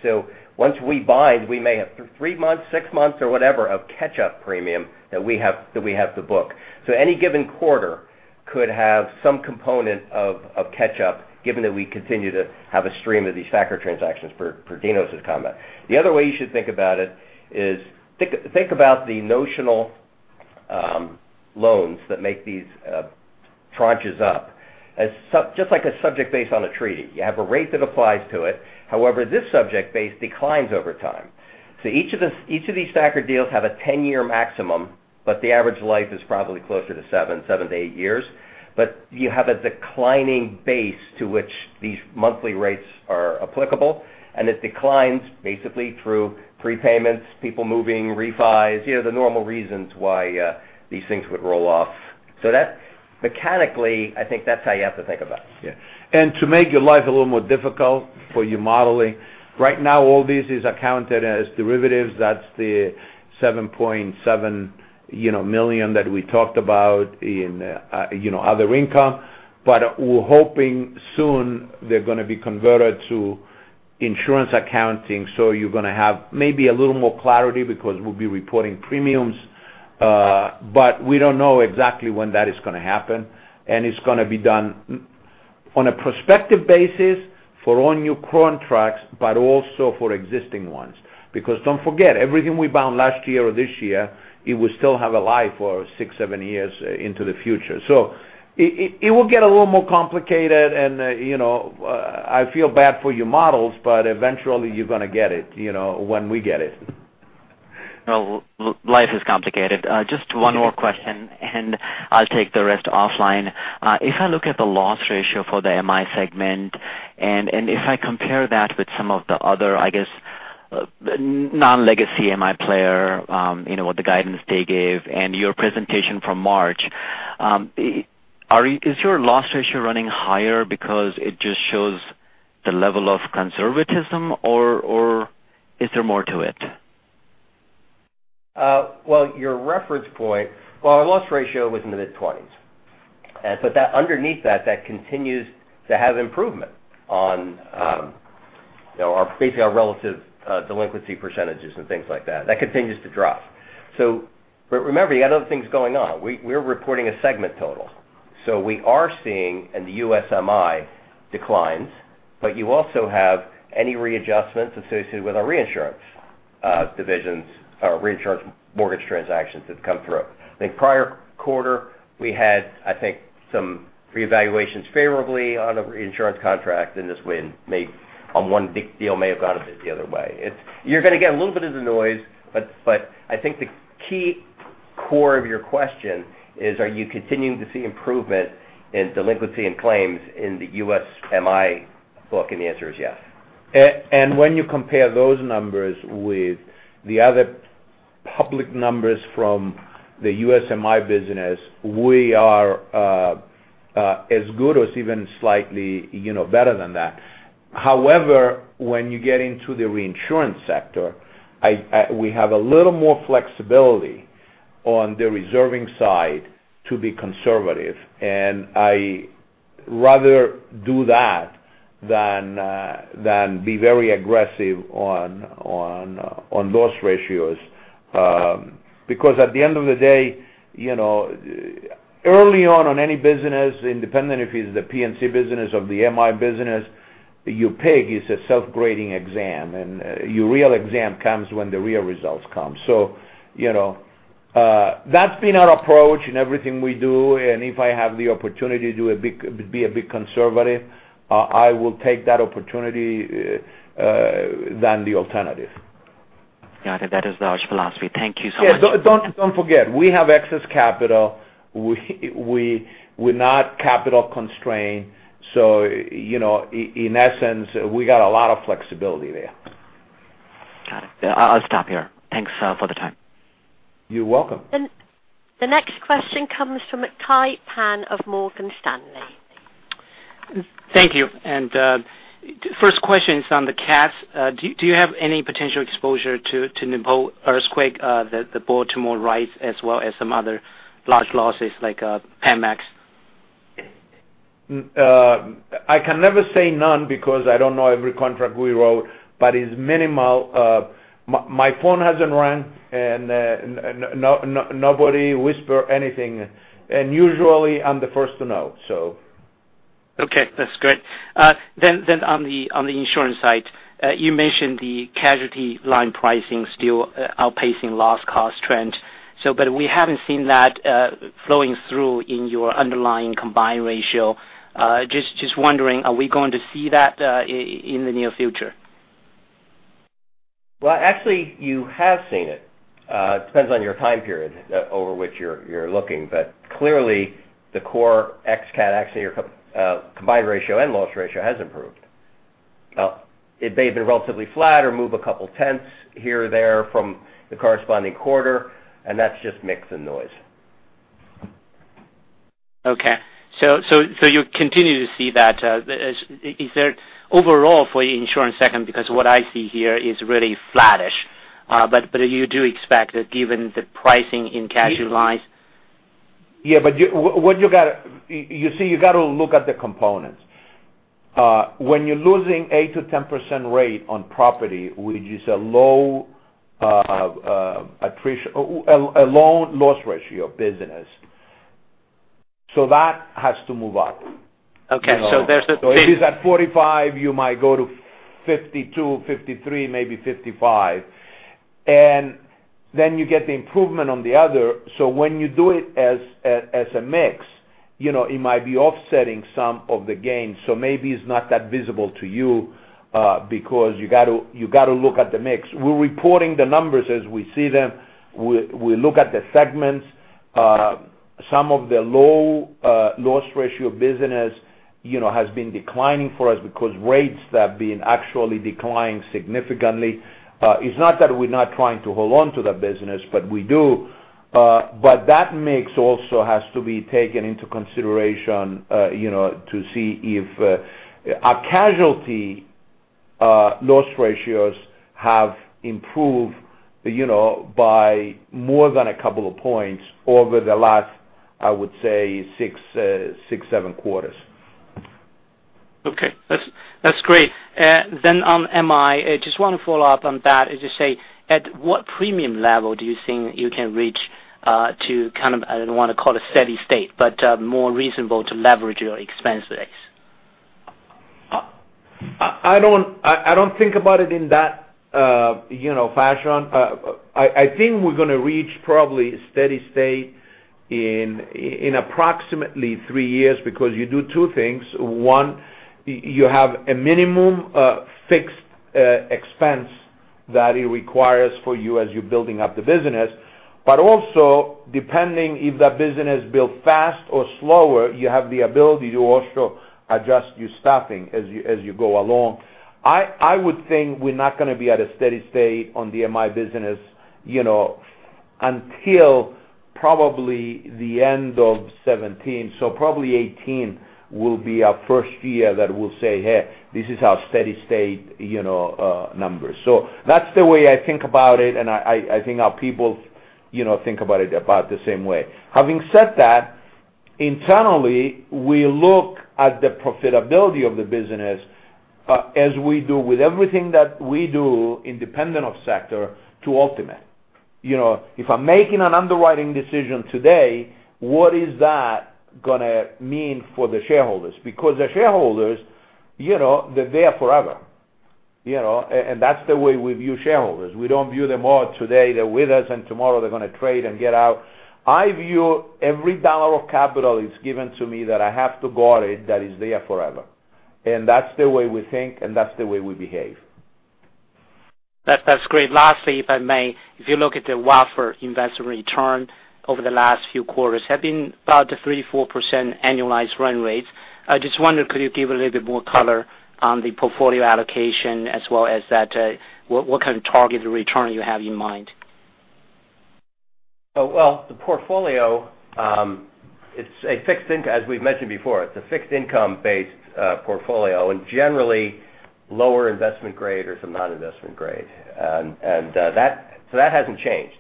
Once we bind, we may have three months, six months, or whatever of catch-up premium that we have to book. Any given quarter could have some component of catch-up, given that we continue to have a stream of these STACR transactions per Dino's comment. The other way you should think about it is, think about the notional loans that make these tranches up. Just like a subject based on a treaty. You have a rate that applies to it. However, this subject base declines over time. Each of these STACR deals have a 10-year maximum, but the average life is probably closer to seven to eight years. You have a declining base to which these monthly rates are applicable, and it declines basically through prepayments, people moving, refis, the normal reasons why these things would roll off. Mechanically, I think that's how you have to think about it. Yeah. To make your life a little more difficult for your modeling, right now, all this is accounted as derivatives. That's the $7.7 million that we talked about in other income. We're hoping soon they're going to be converted to insurance accounting, so you're going to have maybe a little more clarity because we'll be reporting premiums. We don't know exactly when that is going to happen, and it's going to be done on a prospective basis for all new contracts, but also for existing ones. Don't forget, everything we bound last year or this year, it will still have a life for six, seven years into the future. It will get a little more complicated, and I feel bad for your models, but eventually, you're going to get it when we get it. Well, life is complicated. Just one more question, and I'll take the rest offline. If I look at the loss ratio for the MI segment, and if I compare that with some of the other, I guess, non-legacy MI player, what the guidance they gave and your presentation from March, is your loss ratio running higher because it just shows the level of conservatism, or is there more to it? Well, your reference point, well, our loss ratio was in the mid-20s. Underneath that continues to have improvement on basically our relative delinquency percentages and things like that. That continues to drop. Remember, you got other things going on. We're reporting a segment total. We are seeing in the U.S. MI declines, but you also have any readjustments associated with our reinsurance divisions, our reinsurance mortgage transactions that come through. I think prior quarter, we had, I think, some reevaluations favorably on a reinsurance contract, and this win on one big deal may have gone a bit the other way. You're going to get a little bit of the noise, but I think the key core of your question is, are you continuing to see improvement in delinquency and claims in the U.S. MI book, and the answer is yes. When you compare those numbers with the other public numbers from the U.S. MI business, we are as good or even slightly better than that. However, when you get into the reinsurance sector, we have a little more flexibility on the reserving side to be conservative. I rather do that than be very aggressive on loss ratios. At the end of the day, early on on any business, independent if it's the P&C business or the MI business, you pay, it's a self-grading exam, and your real exam comes when the real results come. That's been our approach in everything we do, and if I have the opportunity to be a bit conservative, I will take that opportunity than the alternative. Yeah. I think that is large philosophy. Thank you so much. Yeah. Don't forget, we have excess capital. We're not capital constrained. In essence, we got a lot of flexibility there. Got it. I'll stop here. Thanks for the time. You're welcome. The next question comes from Kai Pan of Morgan Stanley. Thank you. First question is on the cat losses. Do you have any potential exposure to Nepal earthquake, the Baltimore riots, as well as some other large losses like Panamax? I can never say none because I don't know every contract we wrote, but it's minimal. My phone hasn't rung, and nobody whispered anything. Usually I'm the first to know. That's great. On the insurance side, you mentioned the casualty line pricing still outpacing loss cost trend. We haven't seen that flowing through in your underlying combined ratio. Just wondering, are we going to see that in the near future? Well, actually you have seen it. It depends on your time period over which you're looking, clearly the core X cat, actually your combined ratio and loss ratio has improved. It may have been relatively flat or move a couple of tenths here or there from the corresponding quarter, that's just mix and noise. You continue to see that. Is there overall for your insurance segment, because what I see here is really flattish. You do expect that given the pricing in casualty lines. Yeah. You see, you got to look at the components. When you're losing 8%-10% rate on property, which is a low loss ratio business. That has to move up. Okay. If it is at 45, you might go to 52, 53, maybe 55. Then you get the improvement on the other. When you do it as a mix, it might be offsetting some of the gains. Maybe it's not that visible to you, because you got to look at the mix. We're reporting the numbers as we see them. We look at the segments. Some of the low loss ratio business has been declining for us because rates have been actually declining significantly. It's not that we're not trying to hold on to the business, but we do. That mix also has to be taken into consideration, to see if our casualty loss ratios have improved by more than a couple of points over the last, I would say six, seven quarters. Okay. That's great. On MI, I just want to follow up on that. As you say, at what premium level do you think you can reach to kind of, I don't want to call it steady state, but more reasonable to leverage your expense base? I don't think about it in that fashion. I think we're going to reach probably a steady state in approximately three years because you do two things. One, you have a minimum fixed expense that it requires for you as you're building up the business. Also depending if that business build fast or slower, you have the ability to also adjust your staffing as you go along. I would think we're not going to be at a steady state on the MI business, until probably the end of 2017. Probably 2018 will be our first year that we'll say, "Hey, this is our steady state numbers." That's the way I think about it, and I think our people think about it about the same way. Having said that, internally, we look at the profitability of the business, as we do with everything that we do independent of sector to ultimate. If I'm making an underwriting decision today, what is that going to mean for the shareholders? Because the shareholders, they're there forever. That's the way we view shareholders. We don't view them all today, they're with us and tomorrow they're going to trade and get out. I view every dollar of capital is given to me that I have to guard it, that is there forever. That's the way we think and that's the way we behave. That's great. Lastly, if I may, if you look at the Watford Re investment return over the last few quarters have been about the 3%, 4% annualized run rates. I just wondered, could you give a little bit more color on the portfolio allocation as well as that, what kind of target return you have in mind? Well, the portfolio, as we've mentioned before, it's a fixed income based portfolio and generally lower investment grade or some non-investment grade. That hasn't changed.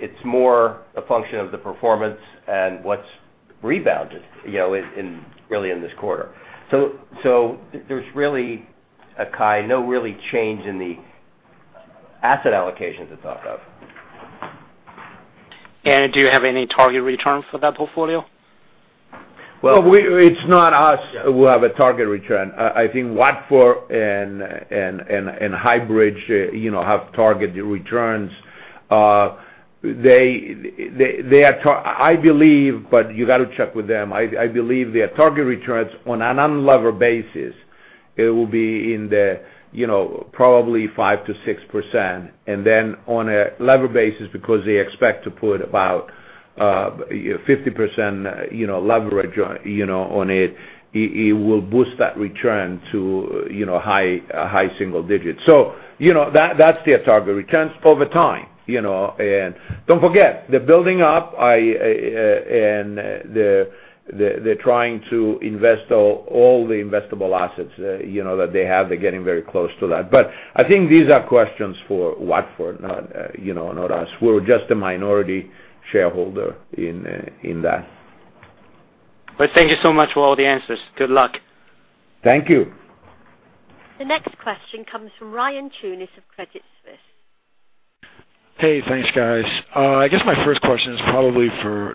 It's more a function of the performance and what's rebounded really in this quarter. There's really, Kai, no really change in the asset allocation to talk of. Do you have any target return for that portfolio? It's not us who have a target return. I think Watford and Highbridge have target returns. I believe, but you got to check with them. I believe their target returns on an unlevered basis, it will be in the probably 5%-6%. Then on a levered basis, because they expect to put about 50% leverage on it will boost that return to high single digits. That's their target returns over time. Don't forget, they're building up and they're trying to invest all the investable assets that they have. They're getting very close to that. I think these are questions for Watford, not us. We're just a minority shareholder in that. Thank you so much for all the answers. Good luck. Thank you. The next question comes from Ryan Tunis of Credit Suisse. Hey, thanks, guys. I guess my first question is probably for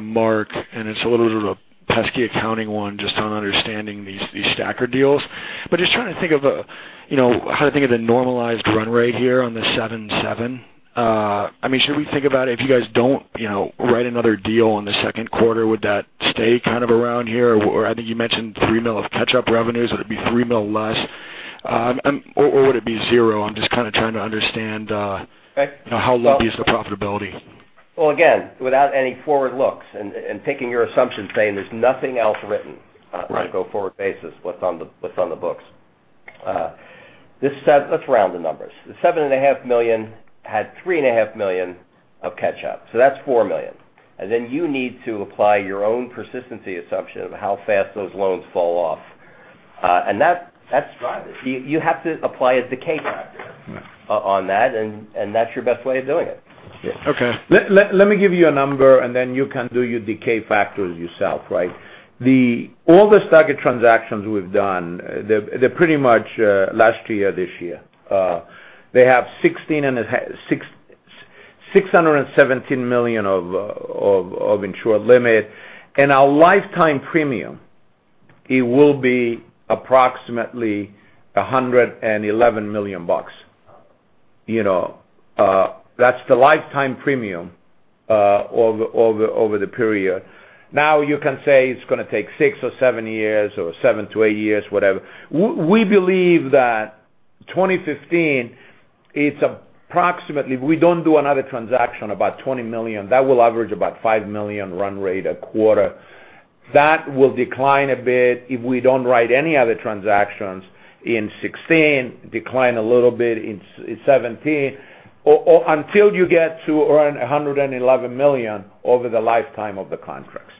Mark, and it's a little bit of a pesky accounting one just on understanding these STACR deals. Just trying to think of how to think of the normalized run rate here on the 7.7. Should we think about if you guys don't write another deal in the second quarter, would that stay kind of around here? I think you mentioned $3 million of catch-up revenues. Would it be $3 million less? Would it be $0? I'm just kind of trying to understand- Okay how lumpy is the profitability? Well, again, without any forward looks and taking your assumption saying there's nothing else written- Right on a go-forward basis, what's on the books. Let's round the numbers. The $7.5 million had $3.5 million of catch-up, so that's $4 million. You need to apply your own persistency assumption of how fast those loans fall off. That's private. You have to apply a decay factor on that, and that's your best way of doing it. Okay. Let me give you a number. Then you can do your decay factors yourself, right? All the STACR transactions we've done, they're pretty much last year, this year. They have $617 million of insured limit. Our lifetime premium, it will be approximately $111 million. That's the lifetime premium over the period. You can say it's going to take six or seven years, or seven to eight years, whatever. We believe that 2015, it's approximately, if we don't do another transaction, about $20 million. That will average about $5 million run rate a quarter. That will decline a bit if we don't write any other transactions in 2016, decline a little bit in 2017, until you get to around $111 million over the lifetime of the contracts.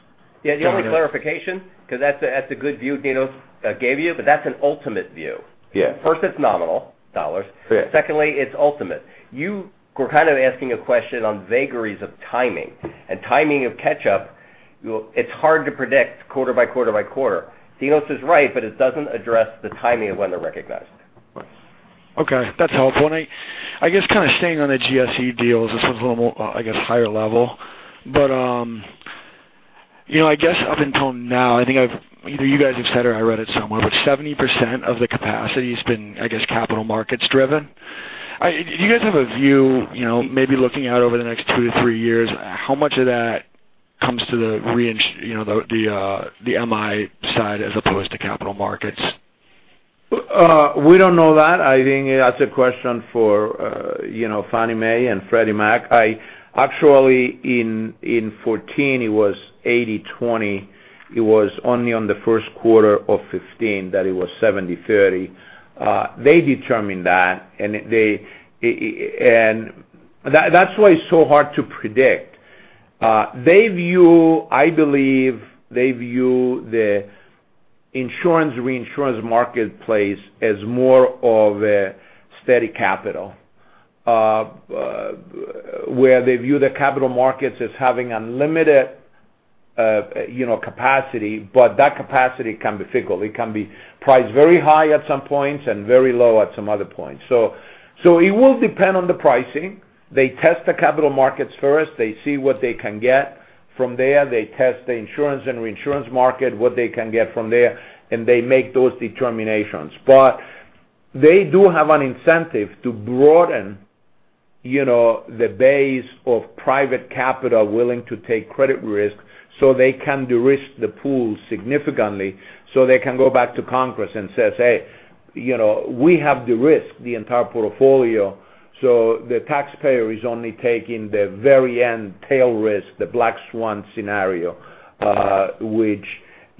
The only clarification, because that's a good view Dinos gave you, but that's an ultimate view. Yeah. First, it's nominal dollars. Yeah. Secondly, it's ultimate. You were kind of asking a question on vagaries of timing. Timing of catch-up, it's hard to predict quarter by quarter by quarter. Dinos is right, but it doesn't address the timing of when they're recognized. Okay. That's helpful. I guess kind of staying on the GSE deals, this one's a little more higher level. I guess up until now, I think either you guys have said or I read it somewhere, 70% of the capacity has been capital markets driven. Do you guys have a view, maybe looking out over the next two to three years, how much of that comes to the MI side as opposed to capital markets? We don't know that. I think that's a question for Fannie Mae and Freddie Mac. Actually, in 2014, it was 80/20. It was only on the first quarter of 2015 that it was 70/30. They determine that. That's why it's so hard to predict. I believe they view the insurance, reinsurance marketplace as more of a steady capital. They view the capital markets as having unlimited capacity, but that capacity can be fickle. It can be priced very high at some points and very low at some other points. It will depend on the pricing. They test the capital markets first. They see what they can get from there. They test the insurance and reinsurance market, what they can get from there, and they make those determinations. They do have an incentive to broaden the base of private capital willing to take credit risk so they can de-risk the pool significantly, so they can go back to Congress and say, "Hey, we have de-risked the entire portfolio." The taxpayer is only taking the very end tail risk, the black swan scenario, which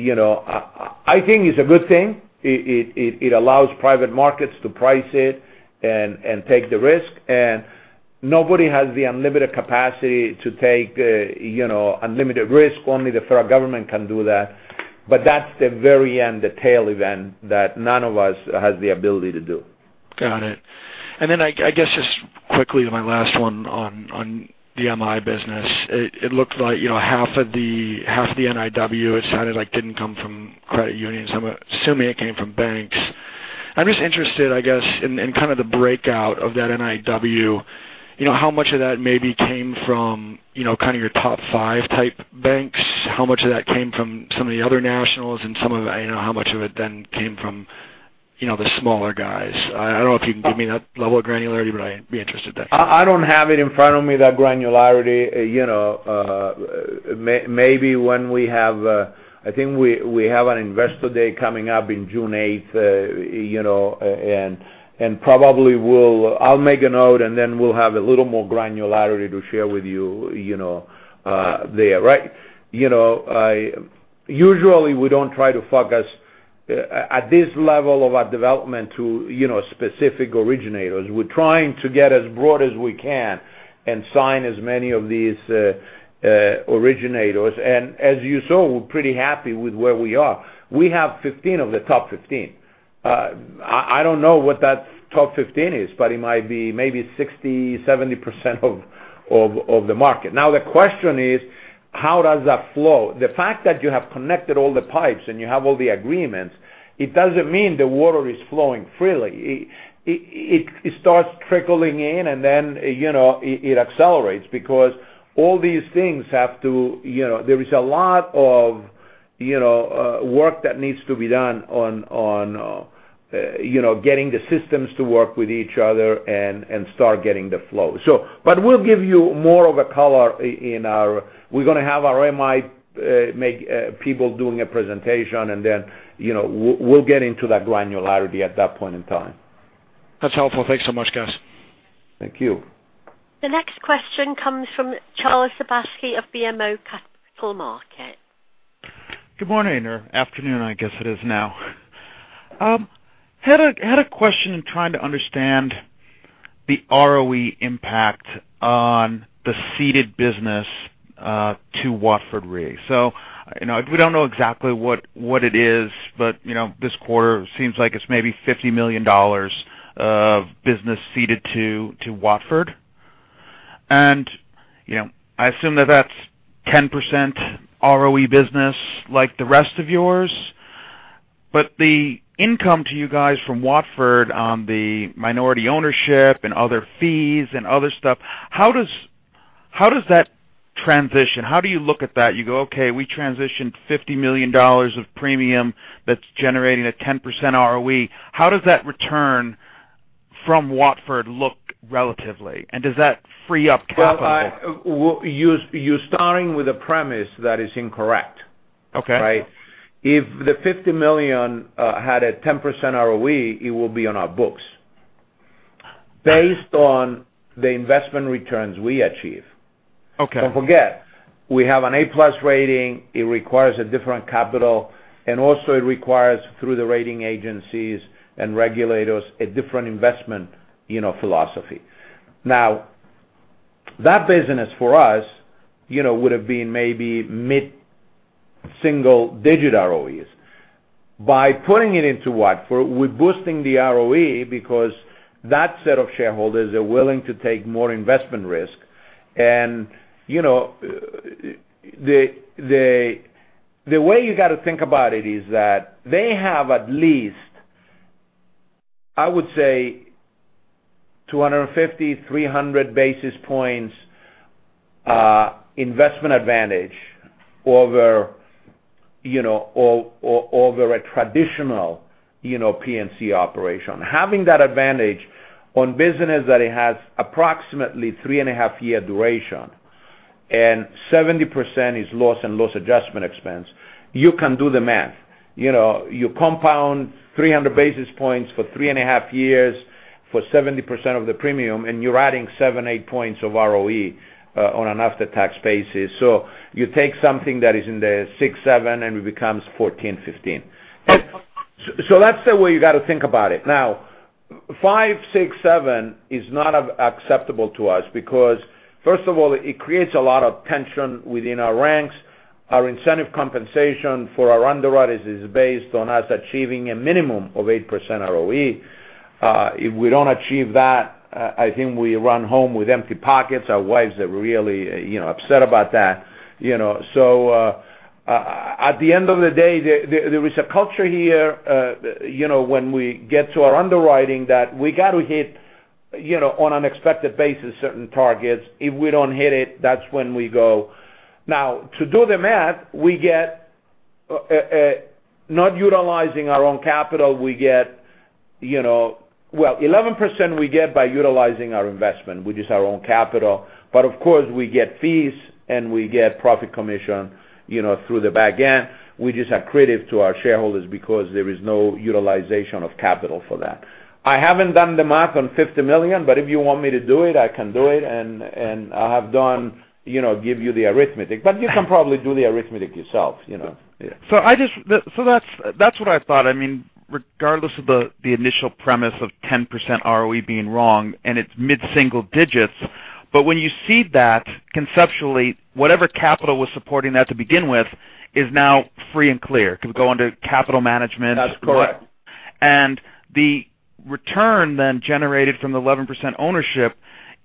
I think is a good thing. It allows private markets to price it and take the risk. Nobody has the unlimited capacity to take unlimited risk. Only the federal government can do that. That's the very end, the tail event that none of us has the ability to do. Got it. I guess just quickly to my last one on the MI business. It looked like half of the NIW, it sounded like didn't come from credit unions. I'm assuming it came from banks. I'm just interested, I guess, in kind of the breakout of that NIW. How much of that maybe came from kind of your top 5 type banks? How much of that came from some of the other nationals, how much of it then came from the smaller guys? I don't know if you can give me that level of granularity, I'd be interested in that. I don't have it in front of me, that granularity. I think we have an investor day coming up in June 8th. Probably I'll make a note, then we'll have a little more granularity to share with you there, right? Usually, we don't try to focus at this level of our development to specific originators. We're trying to get as broad as we can and sign as many of these originators. As you saw, we're pretty happy with where we are. We have 15 of the top 15. I don't know what that top 15 is, but it might be maybe 60%-70% of the market. The question is, how does that flow? The fact that you have connected all the pipes and you have all the agreements, it doesn't mean the water is flowing freely. It starts trickling in, and then it accelerates because there is a lot of work that needs to be done on getting the systems to work with each other and start getting the flow. We'll give you more of a color. We're going to have our MI people doing a presentation, then we'll get into that granularity at that point in time. That's helpful. Thanks so much, Gus. Thank you. The next question comes from Charles Sebaski of BMO Capital Markets. Good morning or afternoon, I guess it is now. Had a question in trying to understand the ROE impact on the ceded business to Watford Re. We don't know exactly what it is, but this quarter seems like it's maybe $50 million of business ceded to Watford. I assume that that's 10% ROE business like the rest of yours. The income to you guys from Watford on the minority ownership and other fees and other stuff, how does that transition? How do you look at that? You go, "Okay, we transitioned $50 million of premium that's generating a 10% ROE." How does that return from Watford look relatively? Does that free up capital? Well, you're starting with a premise that is incorrect. Okay. Right? If the $50 million had a 10% ROE, it would be on our books based on the investment returns we achieve. Okay. Don't forget, we have an A+ rating. Also it requires, through the rating agencies and regulators, a different investment philosophy. That business for us would've been maybe mid-single digit ROEs. By putting it into Watford, we're boosting the ROE because that set of shareholders are willing to take more investment risk. The way you got to think about it is that they have at least, I would say, 250, 300 basis points investment advantage over a traditional P&C operation. Having that advantage on business that it has approximately three and a half year duration and 70% is loss and loss adjustment expense, you can do the math. You compound 300 basis points for three and a half years for 70% of the premium, and you're adding seven, eight points of ROE on an after-tax basis. You take something that is in the six, seven, and it becomes 14, 15. That's the way you got to think about it. Five, six, seven is not acceptable to us because first of all, it creates a lot of tension within our ranks. Our incentive compensation for our underwriters is based on us achieving a minimum of 8% ROE. If we don't achieve that, I think we run home with empty pockets. Our wives are really upset about that. At the end of the day, there is a culture here, when we get to our underwriting, that we got to hit on an expected basis certain targets. If we don't hit it, that's when we go. To do the math, not utilizing our own capital, well, 11% we get by utilizing our investment, which is our own capital. Of course, we get fees and we get profit commission through the back end. We just accredit it to our shareholders because there is no utilization of capital for that. I haven't done the math on $50 million, if you want me to do it, I can do it, and I have done, give you the arithmetic. You can probably do the arithmetic yourself. That's what I thought. Regardless of the initial premise of 10% ROE being wrong and it's mid-single digits, when you cede that, conceptually, whatever capital was supporting that to begin with is now free and clear. It could go under capital management. That's correct. The return generated from the 11% ownership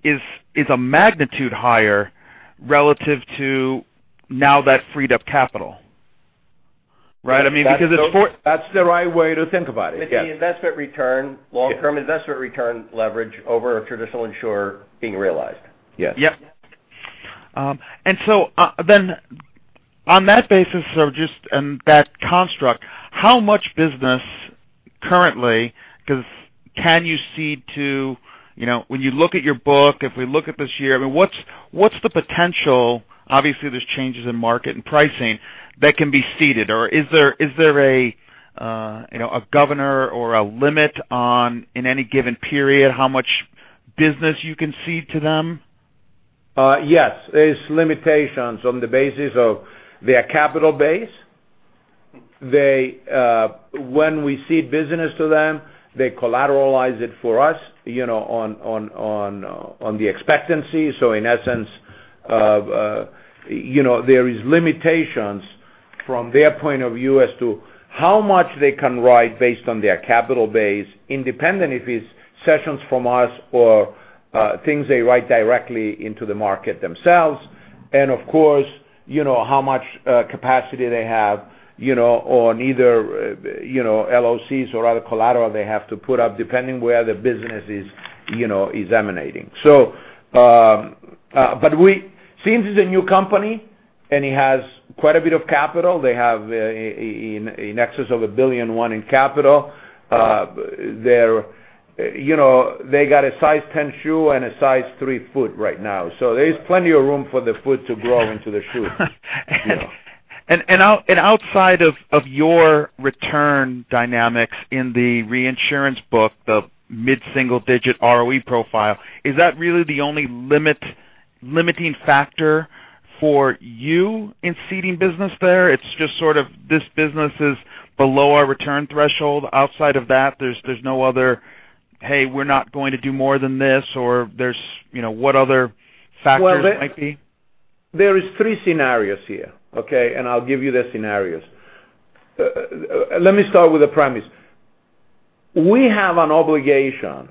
is a magnitude higher relative to now that freed-up capital. Right? I mean, That's the right way to think about it, yes. The investment return, long-term investment return leverage over a traditional insurer being realized. Yes. Yep. On that basis, just on that construct, how much business currently can you cede to When you look at your book, if we look at this year, what's the potential, obviously there's changes in market and pricing, that can be ceded? Or is there a governor or a limit on, in any given period, how much business you can cede to them? Yes. There is limitations on the basis of their capital base. When we cede business to them, they collateralize it for us on the expectancy. In essence, there is limitations from their point of view as to how much they can write based on their capital base, independent if it's sessions from us or things they write directly into the market themselves. And of course, how much capacity they have, on either LOCs or other collateral they have to put up, depending where the business is emanating. Since it's a new company and it has quite a bit of capital, they have in excess of 1 billion and one in capital. They got a size 10 shoe and a size 3 foot right now. There's plenty of room for the foot to grow into the shoe. Outside of your return dynamics in the reinsurance book, the mid-single digit ROE profile, is that really the only limiting factor for you in ceding business there? It's just sort of this business is below our return threshold. Outside of that, there's no other, "Hey, we're not going to do more than this." What other factors might be? There is three scenarios here, okay? I'll give you the scenarios. Let me start with a premise. We have an obligation.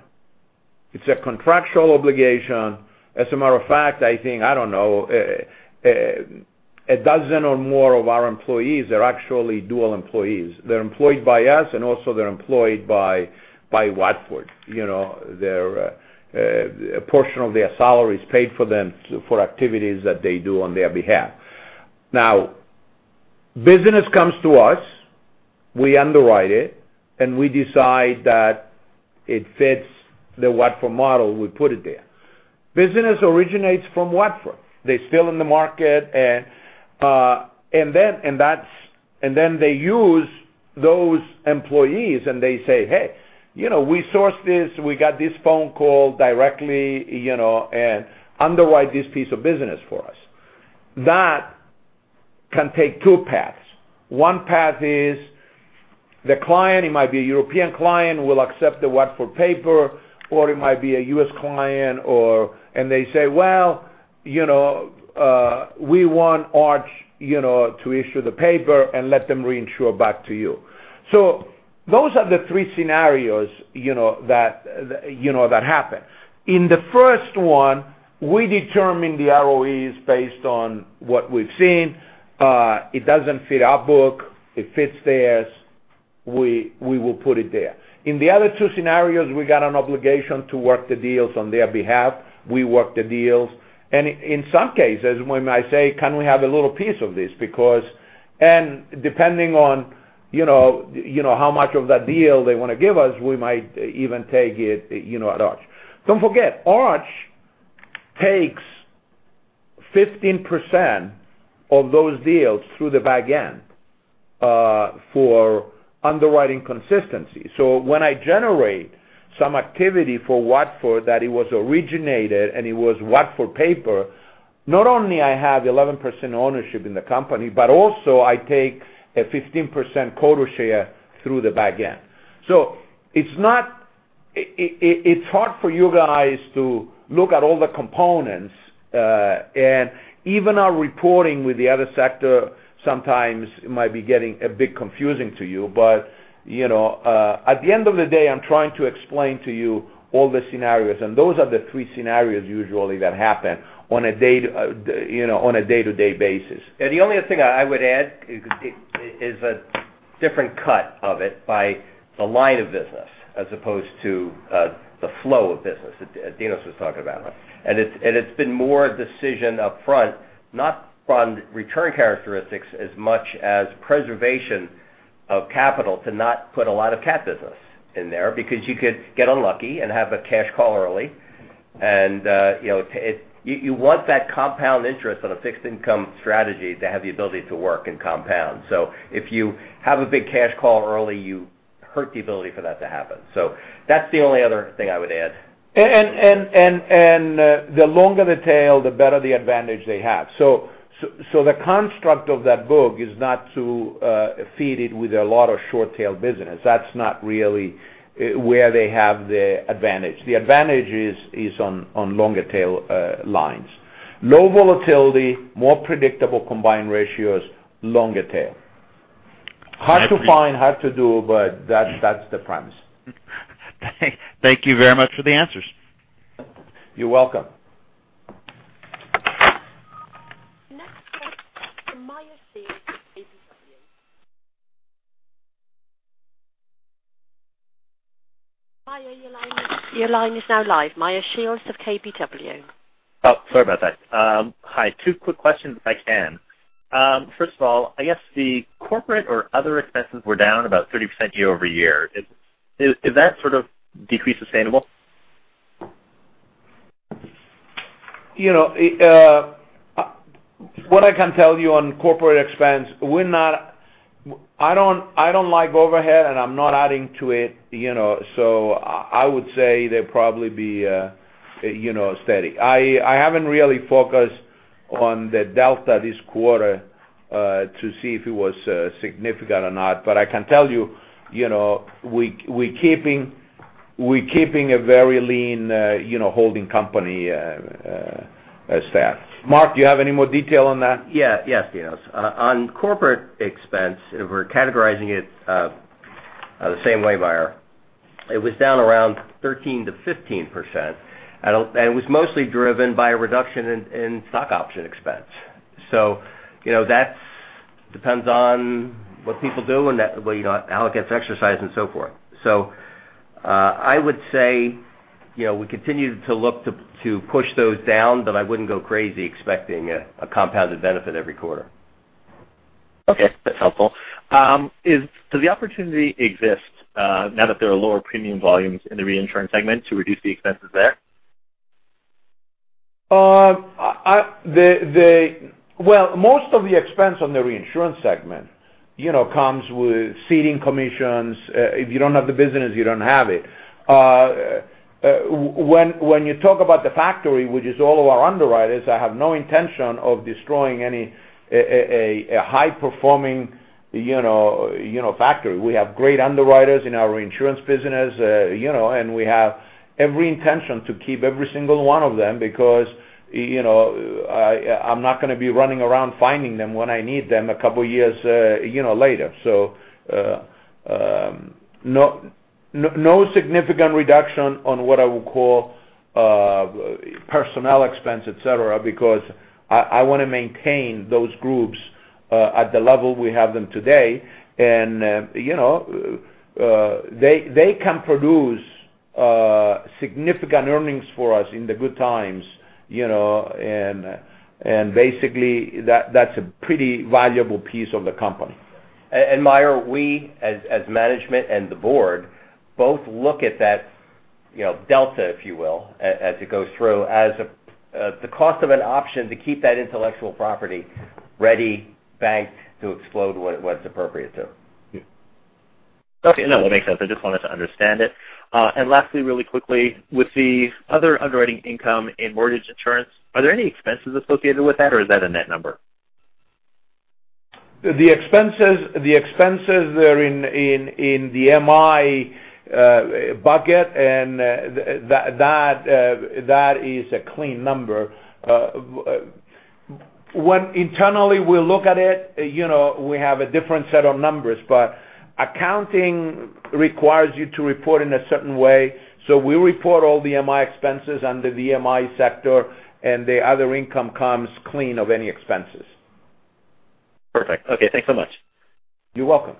It's a contractual obligation. As a matter of fact, I think, I don't know, a dozen or more of our employees are actually dual employees. They're employed by us, and also they're employed by Watford. A portion of their salary is paid for them for activities that they do on their behalf. Business comes to us, we underwrite it, and we decide that it fits the Watford model, we put it there. Business originates from Watford. They're still in the market, and then they use those employees, and they say, "Hey, we sourced this. We got this phone call directly, and underwrite this piece of business for us." That can take two paths. One path is the client, it might be a European client, will accept the Watford paper, or it might be a U.S. client, and they say, "Well we want Arch to issue the paper and let them reinsure back to you." Those are the three scenarios that happen. In the first one, we determine the ROEs based on what we've seen. It doesn't fit our book, it fits theirs. We will put it there. In the other two scenarios, we got an obligation to work the deals on their behalf. We work the deals, and in some cases, we might say, "Can we have a little piece of this?" Depending on how much of that deal they want to give us, we might even take it at Arch. Don't forget, Arch takes 15% of those deals through the back end for underwriting consistency. When I generate some activity for Watford that it was originated, and it was Watford paper, not only I have 11% ownership in the company, but also I take a 15% quota share through the back end. It's hard for you guys to look at all the components, and even our reporting with the other sector sometimes might be getting a bit confusing to you, but at the end of the day, I'm trying to explain to you all the scenarios, and those are the three scenarios usually that happen on a day-to-day basis. The only thing I would add is a different cut of it by the line of business as opposed to the flow of business that Dinos was talking about. It's been more a decision upfront, not on return characteristics as much as preservation of capital to not put a lot of cat business in there because you could get unlucky and have a cash call early. You want that compound interest on a fixed income strategy to have the ability to work and compound. If you have a big cash call early, you hurt the ability for that to happen. That's the only other thing I would add. The longer the tail, the better the advantage they have. The construct of that book is not to feed it with a lot of short-tail business. That's not really where they have the advantage. The advantage is on longer tail lines. Low volatility, more predictable combined ratios, longer tail. Hard to find, hard to do, but that's the premise. Thank you very much for the answers. You're welcome. Next question from Meyer Shields of KBW. Meyer, your line is now live. Meyer Shields of KBW. Oh, sorry about that. Hi. Two quick questions, if I can. First of all, I guess the corporate or other expenses were down about 30% year-over-year. Is that sort of decrease sustainable? What I can tell you on corporate expense, I don't like overhead, and I'm not adding to it. I would say they'd probably be steady. I haven't really focused on the delta this quarter to see if it was significant or not, but I can tell you, we're keeping a very lean holding company staff. Mark, do you have any more detail on that? Yes, Dinos. On corporate expense, we're categorizing it the same way, Meyer. It was down around 13%-15%, and it was mostly driven by a reduction in stock option expense. Depends on what people do and how it gets exercised and so forth. I would say we continue to look to push those down, but I wouldn't go crazy expecting a compounded benefit every quarter. Okay. That's helpful. Does the opportunity exist now that there are lower premium volumes in the reinsurance segment to reduce the expenses there? Well, most of the expense on the reinsurance segment comes with ceding commissions. If you don't have the business, you don't have it. When you talk about the factory, which is all of our underwriters, I have no intention of destroying any high performing factory. We have great underwriters in our reinsurance business, and we have every intention to keep every single one of them because I'm not going to be running around finding them when I need them a couple years later. No significant reduction on what I would call personnel expense, et cetera, because I want to maintain those groups at the level we have them today. They can produce significant earnings for us in the good times. Basically, that's a pretty valuable piece of the company. Meyer, we, as management and the board, both look at that delta, if you will, as it goes through, as the cost of an option to keep that intellectual property ready, banked to explode when it's appropriate to. Okay. No, that makes sense. I just wanted to understand it. Lastly, really quickly, with the other underwriting income in mortgage insurance, are there any expenses associated with that, or is that a net number? The expenses there in the MI bucket, that is a clean number. When internally we look at it, we have a different set of numbers, but accounting requires you to report in a certain way. We report all the MI expenses under the MI sector, and the other income comes clean of any expenses. Perfect. Okay, thanks so much. You're welcome.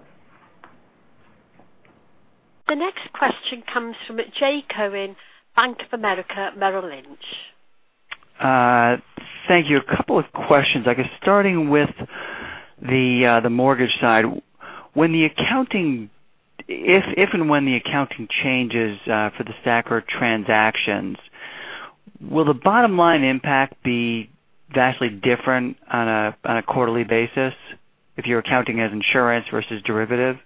The next question comes from Jay Cohen, Bank of America, Merrill Lynch. Thank you. A couple of questions, I guess starting with the mortgage side. If and when the accounting changes for the STACR transactions, will the bottom line impact be vastly different on a quarterly basis if you're accounting as insurance versus derivative?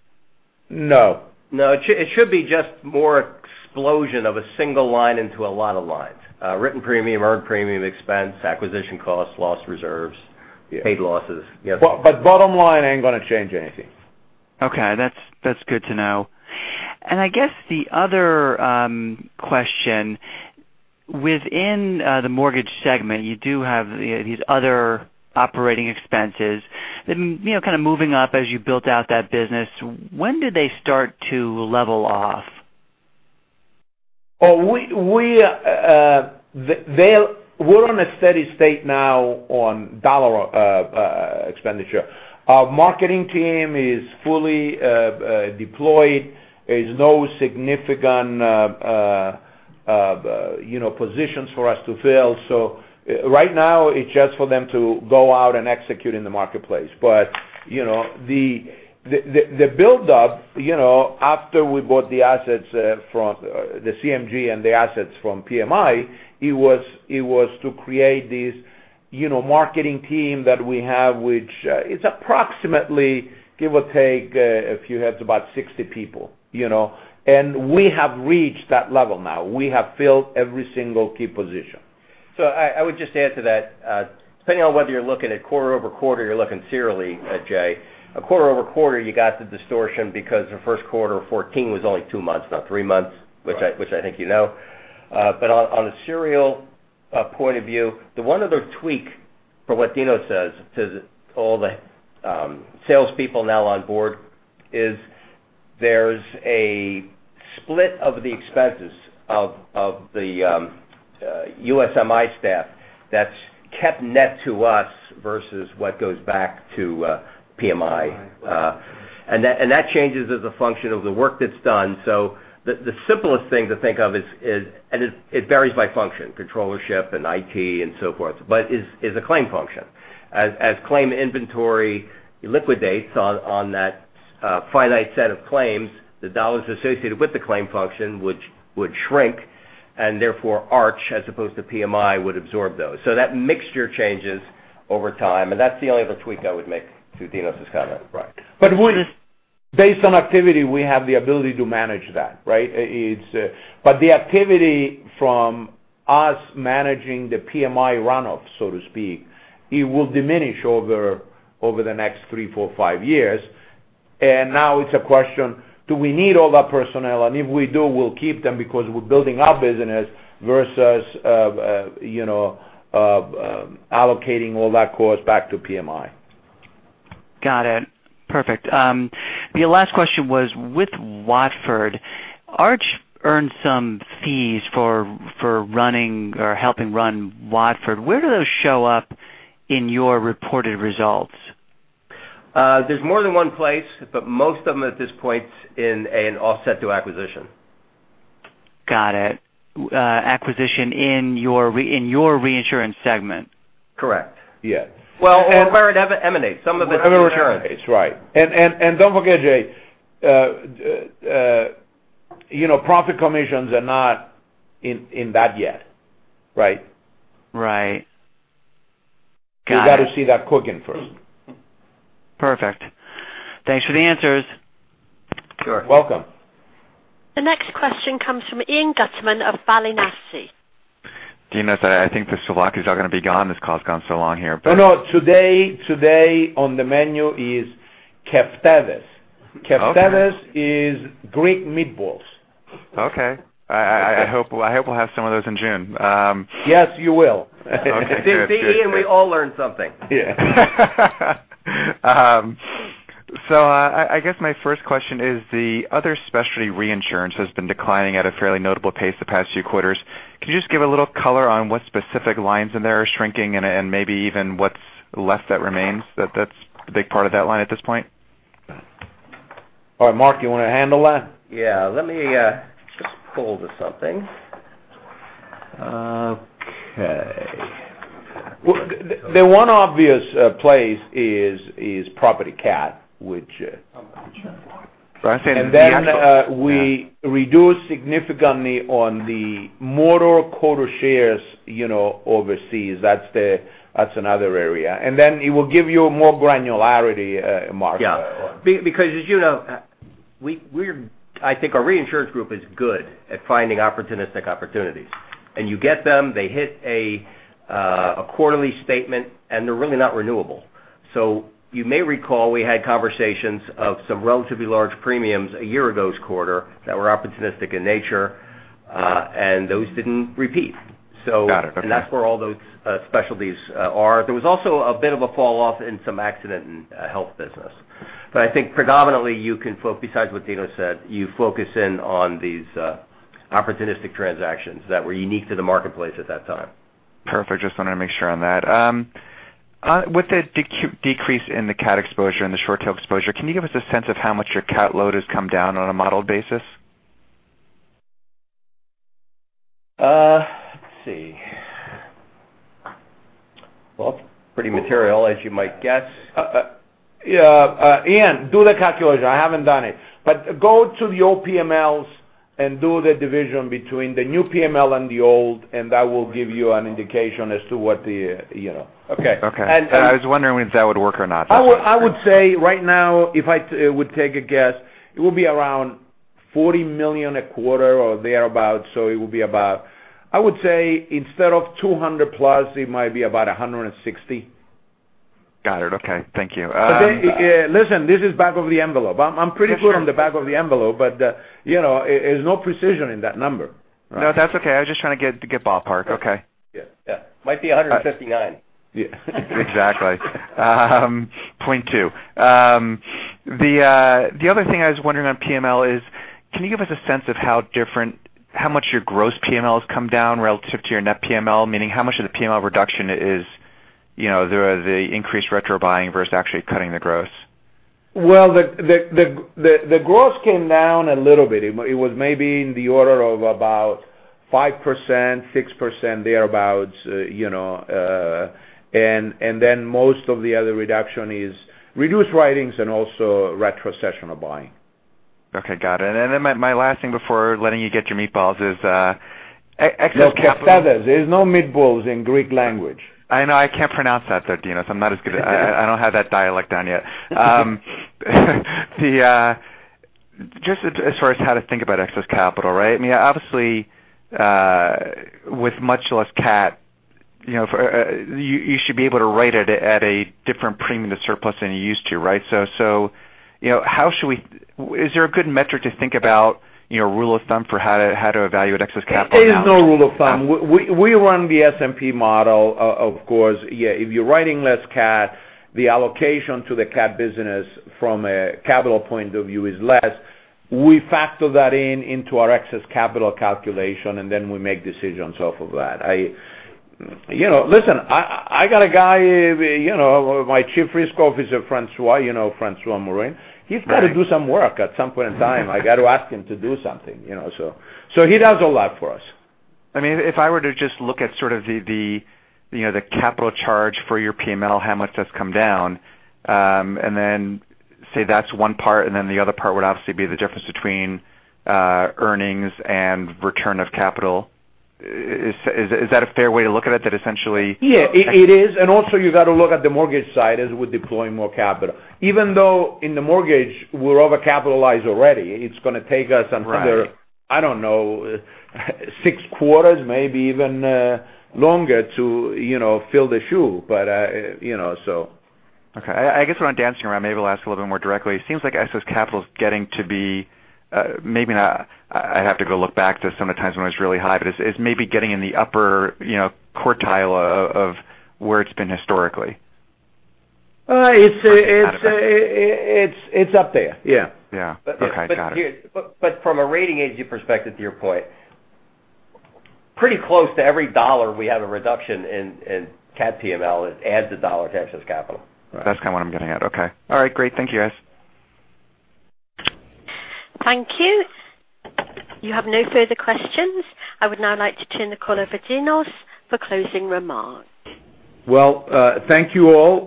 No. No. It should be just more explosion of a single line into a lot of lines. Written premium, earned premium expense, acquisition costs, loss reserves. Yeah paid losses. Yeah. Bottom line ain't going to change anything. Okay. That's good to know. I guess the other question, within the mortgage segment, you do have these other operating expenses. Kind of moving up as you built out that business, when do they start to level off? We're in a steady state now on dollar expenditure. Our marketing team is fully deployed. There's no significant positions for us to fill. Right now it's just for them to go out and execute in the marketplace. The build up, after we bought the CMG and the assets from PMI, it was to create this marketing team that we have, which is approximately, give or take a few heads, about 60 people. We have reached that level now. We have filled every single key position. I would just add to that. Depending on whether you're looking at quarter-over-quarter, you're looking serially at quarter-over-quarter, you got the distortion because the first quarter of 2014 was only two months, not three months. Right which I think you know. On a serial point of view, the one other tweak for what Dino says to all the salespeople now on board is there's a split of the expenses of the USMI staff that's kept net to us versus what goes back to PMI. Right. That changes as a function of the work that's done. The simplest thing to think of is, and it varies by function, controllership and IT and so forth, but is a claim function. As claim inventory liquidates on that finite set of claims, the dollars associated with the claim function would shrink, and therefore Arch, as opposed to PMI, would absorb those. That mixture changes over time, and that's the only other tweak I would make to Dino's comment. Right. Based on activity, we have the ability to manage that, right? The activity from us managing the PMI runoff, so to speak, it will diminish over the next three, four, five years. Now it's a question, do we need all that personnel? If we do, we'll keep them because we're building our business versus allocating all that cost back to PMI. Got it. Perfect. The last question was with Watford Arch earned some fees for running or helping run Watford. Where do those show up in your reported results? There's more than one place, most of them, at this point, in an offset to acquisition. Got it. Acquisition in your reinsurance segment? Correct. Yes. Well, prior to eliminations. Reinsurance. Right. Don't forget, Jay, profit commissions are not in that yet, right? Right. Got it. You got to see that cooking first. Perfect. Thanks for the answers. Sure. Welcome. The next question comes from Ian Gutterman of Balyasny. Dinos, I think the souvlaki is all going to be gone, this call's gone so long here. Oh, no. Today on the menu is keftedes. Okay. Keftedes is Greek meatballs. Okay. I hope we'll have some of those in June. Yes, you will. Okay, good. See, Ian, we all learn something. Yeah. I guess my first question is, the other specialty reinsurance has been declining at a fairly notable pace the past few quarters. Can you just give a little color on what specific lines in there are shrinking and maybe even what's left that remains, that's a big part of that line at this point? All right. Mark, you want to handle that? Yeah. Let me just pull this up then. Okay. The one obvious place is Property CAT, which- Sure. We reduced significantly on the motor quota shares overseas. That's another area. He will give you more granularity, Mark. Yeah. Because as you know, I think our reinsurance group is good at finding opportunistic opportunities. You get them, they hit a quarterly statement, and they're really not renewable. You may recall we had conversations of some relatively large premiums a year ago this quarter that were opportunistic in nature, and those didn't repeat. Got it. Okay. That's where all those specialties are. There was also a bit of a fall-off in some accident in health business. I think predominantly, besides what Dinos said, you focus in on these opportunistic transactions that were unique to the marketplace at that time. Perfect. Just wanted to make sure on that. With the decrease in the CAT exposure and the short tail exposure, can you give us a sense of how much your CAT load has come down on a modeled basis? Let's see. Well, pretty material, as you might guess. Ian, do the calculation. I haven't done it. go to the PMLs and do the division between the new PML and the old, and that will give you an indication as to what the Okay. Okay. I was wondering if that would work or not. I would say right now, if I would take a guess, it would be around $40 million a quarter or thereabout. It would be about, I would say instead of $200 plus, it might be about $160. Got it. Okay. Thank you. Listen, this is back of the envelope. I'm pretty good. Yeah, sure on the back of the envelope, there's no precision in that number. That's okay. I was just trying to get ballpark. Okay. Might be 159. Exactly. Point 2. The other thing I was wondering on PML is, can you give us a sense of how much your gross PML has come down relative to your net PML? Meaning, how much of the PML reduction is the increased retro buying versus actually cutting the gross? Well, the gross came down a little bit. It was maybe in the order of about 5%, 6%, thereabout. Most of the other reduction is reduced writings and also retrocession of buying. Okay, got it. My last thing before letting you get your meatballs is excess capital. No, keftedes. There's no meatballs in Greek language. I know. I can't pronounce that though, Dinos. I don't have that dialect down yet. Just as far as how to think about excess capital, right? I mean, obviously, with much less CAT, you should be able to write it at a different premium to surplus than you used to, right? Is there a good metric to think about rule of thumb for how to evaluate excess capital now? There's no rule of thumb. We run the S&P model, of course. If you're writing less CAT, the allocation to the CAT business from a capital point of view is less. We factor that in into our excess capital calculation, and then we make decisions off of that. Listen, I got a guy, my Chief Risk Officer, François, you know François Morin. Right. He's got to do some work at some point in time. I got to ask him to do something. He does a lot for us. If I were to just look at sort of the capital charge for your PML, how much that's come down, and then say that's one part, and then the other part would obviously be the difference between earnings and return of capital. Is that a fair way to look at it? That essentially- Yeah, it is. Also you got to look at the mortgage side as we're deploying more capital. Even though in the mortgage, we're overcapitalized already. It's going to take us another- Right I don't know, six quarters, maybe even longer to fill the shoe. But, so. Okay. I guess what I'm dancing around, maybe we'll ask a little bit more directly. It seems like excess capital is getting to be, maybe not, I'd have to go look back to some of the times when it was really high, but it's maybe getting in the upper quartile of where it's been historically. It's up there. Yeah. Yeah. Okay. Got it. From a rating agency perspective, to your point, pretty close to every $1 we have a reduction in CAT PML, it adds $1 to excess capital. That's kind of what I'm getting at. Okay. All right. Great. Thank you, guys. Thank you. You have no further questions. I would now like to turn the call over to Dinos for closing remarks. Thank you all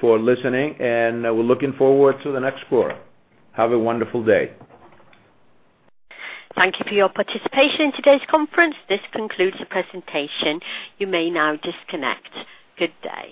for listening, and we're looking forward to the next quarter. Have a wonderful day. Thank you for your participation in today's conference. This concludes the presentation. You may now disconnect. Good day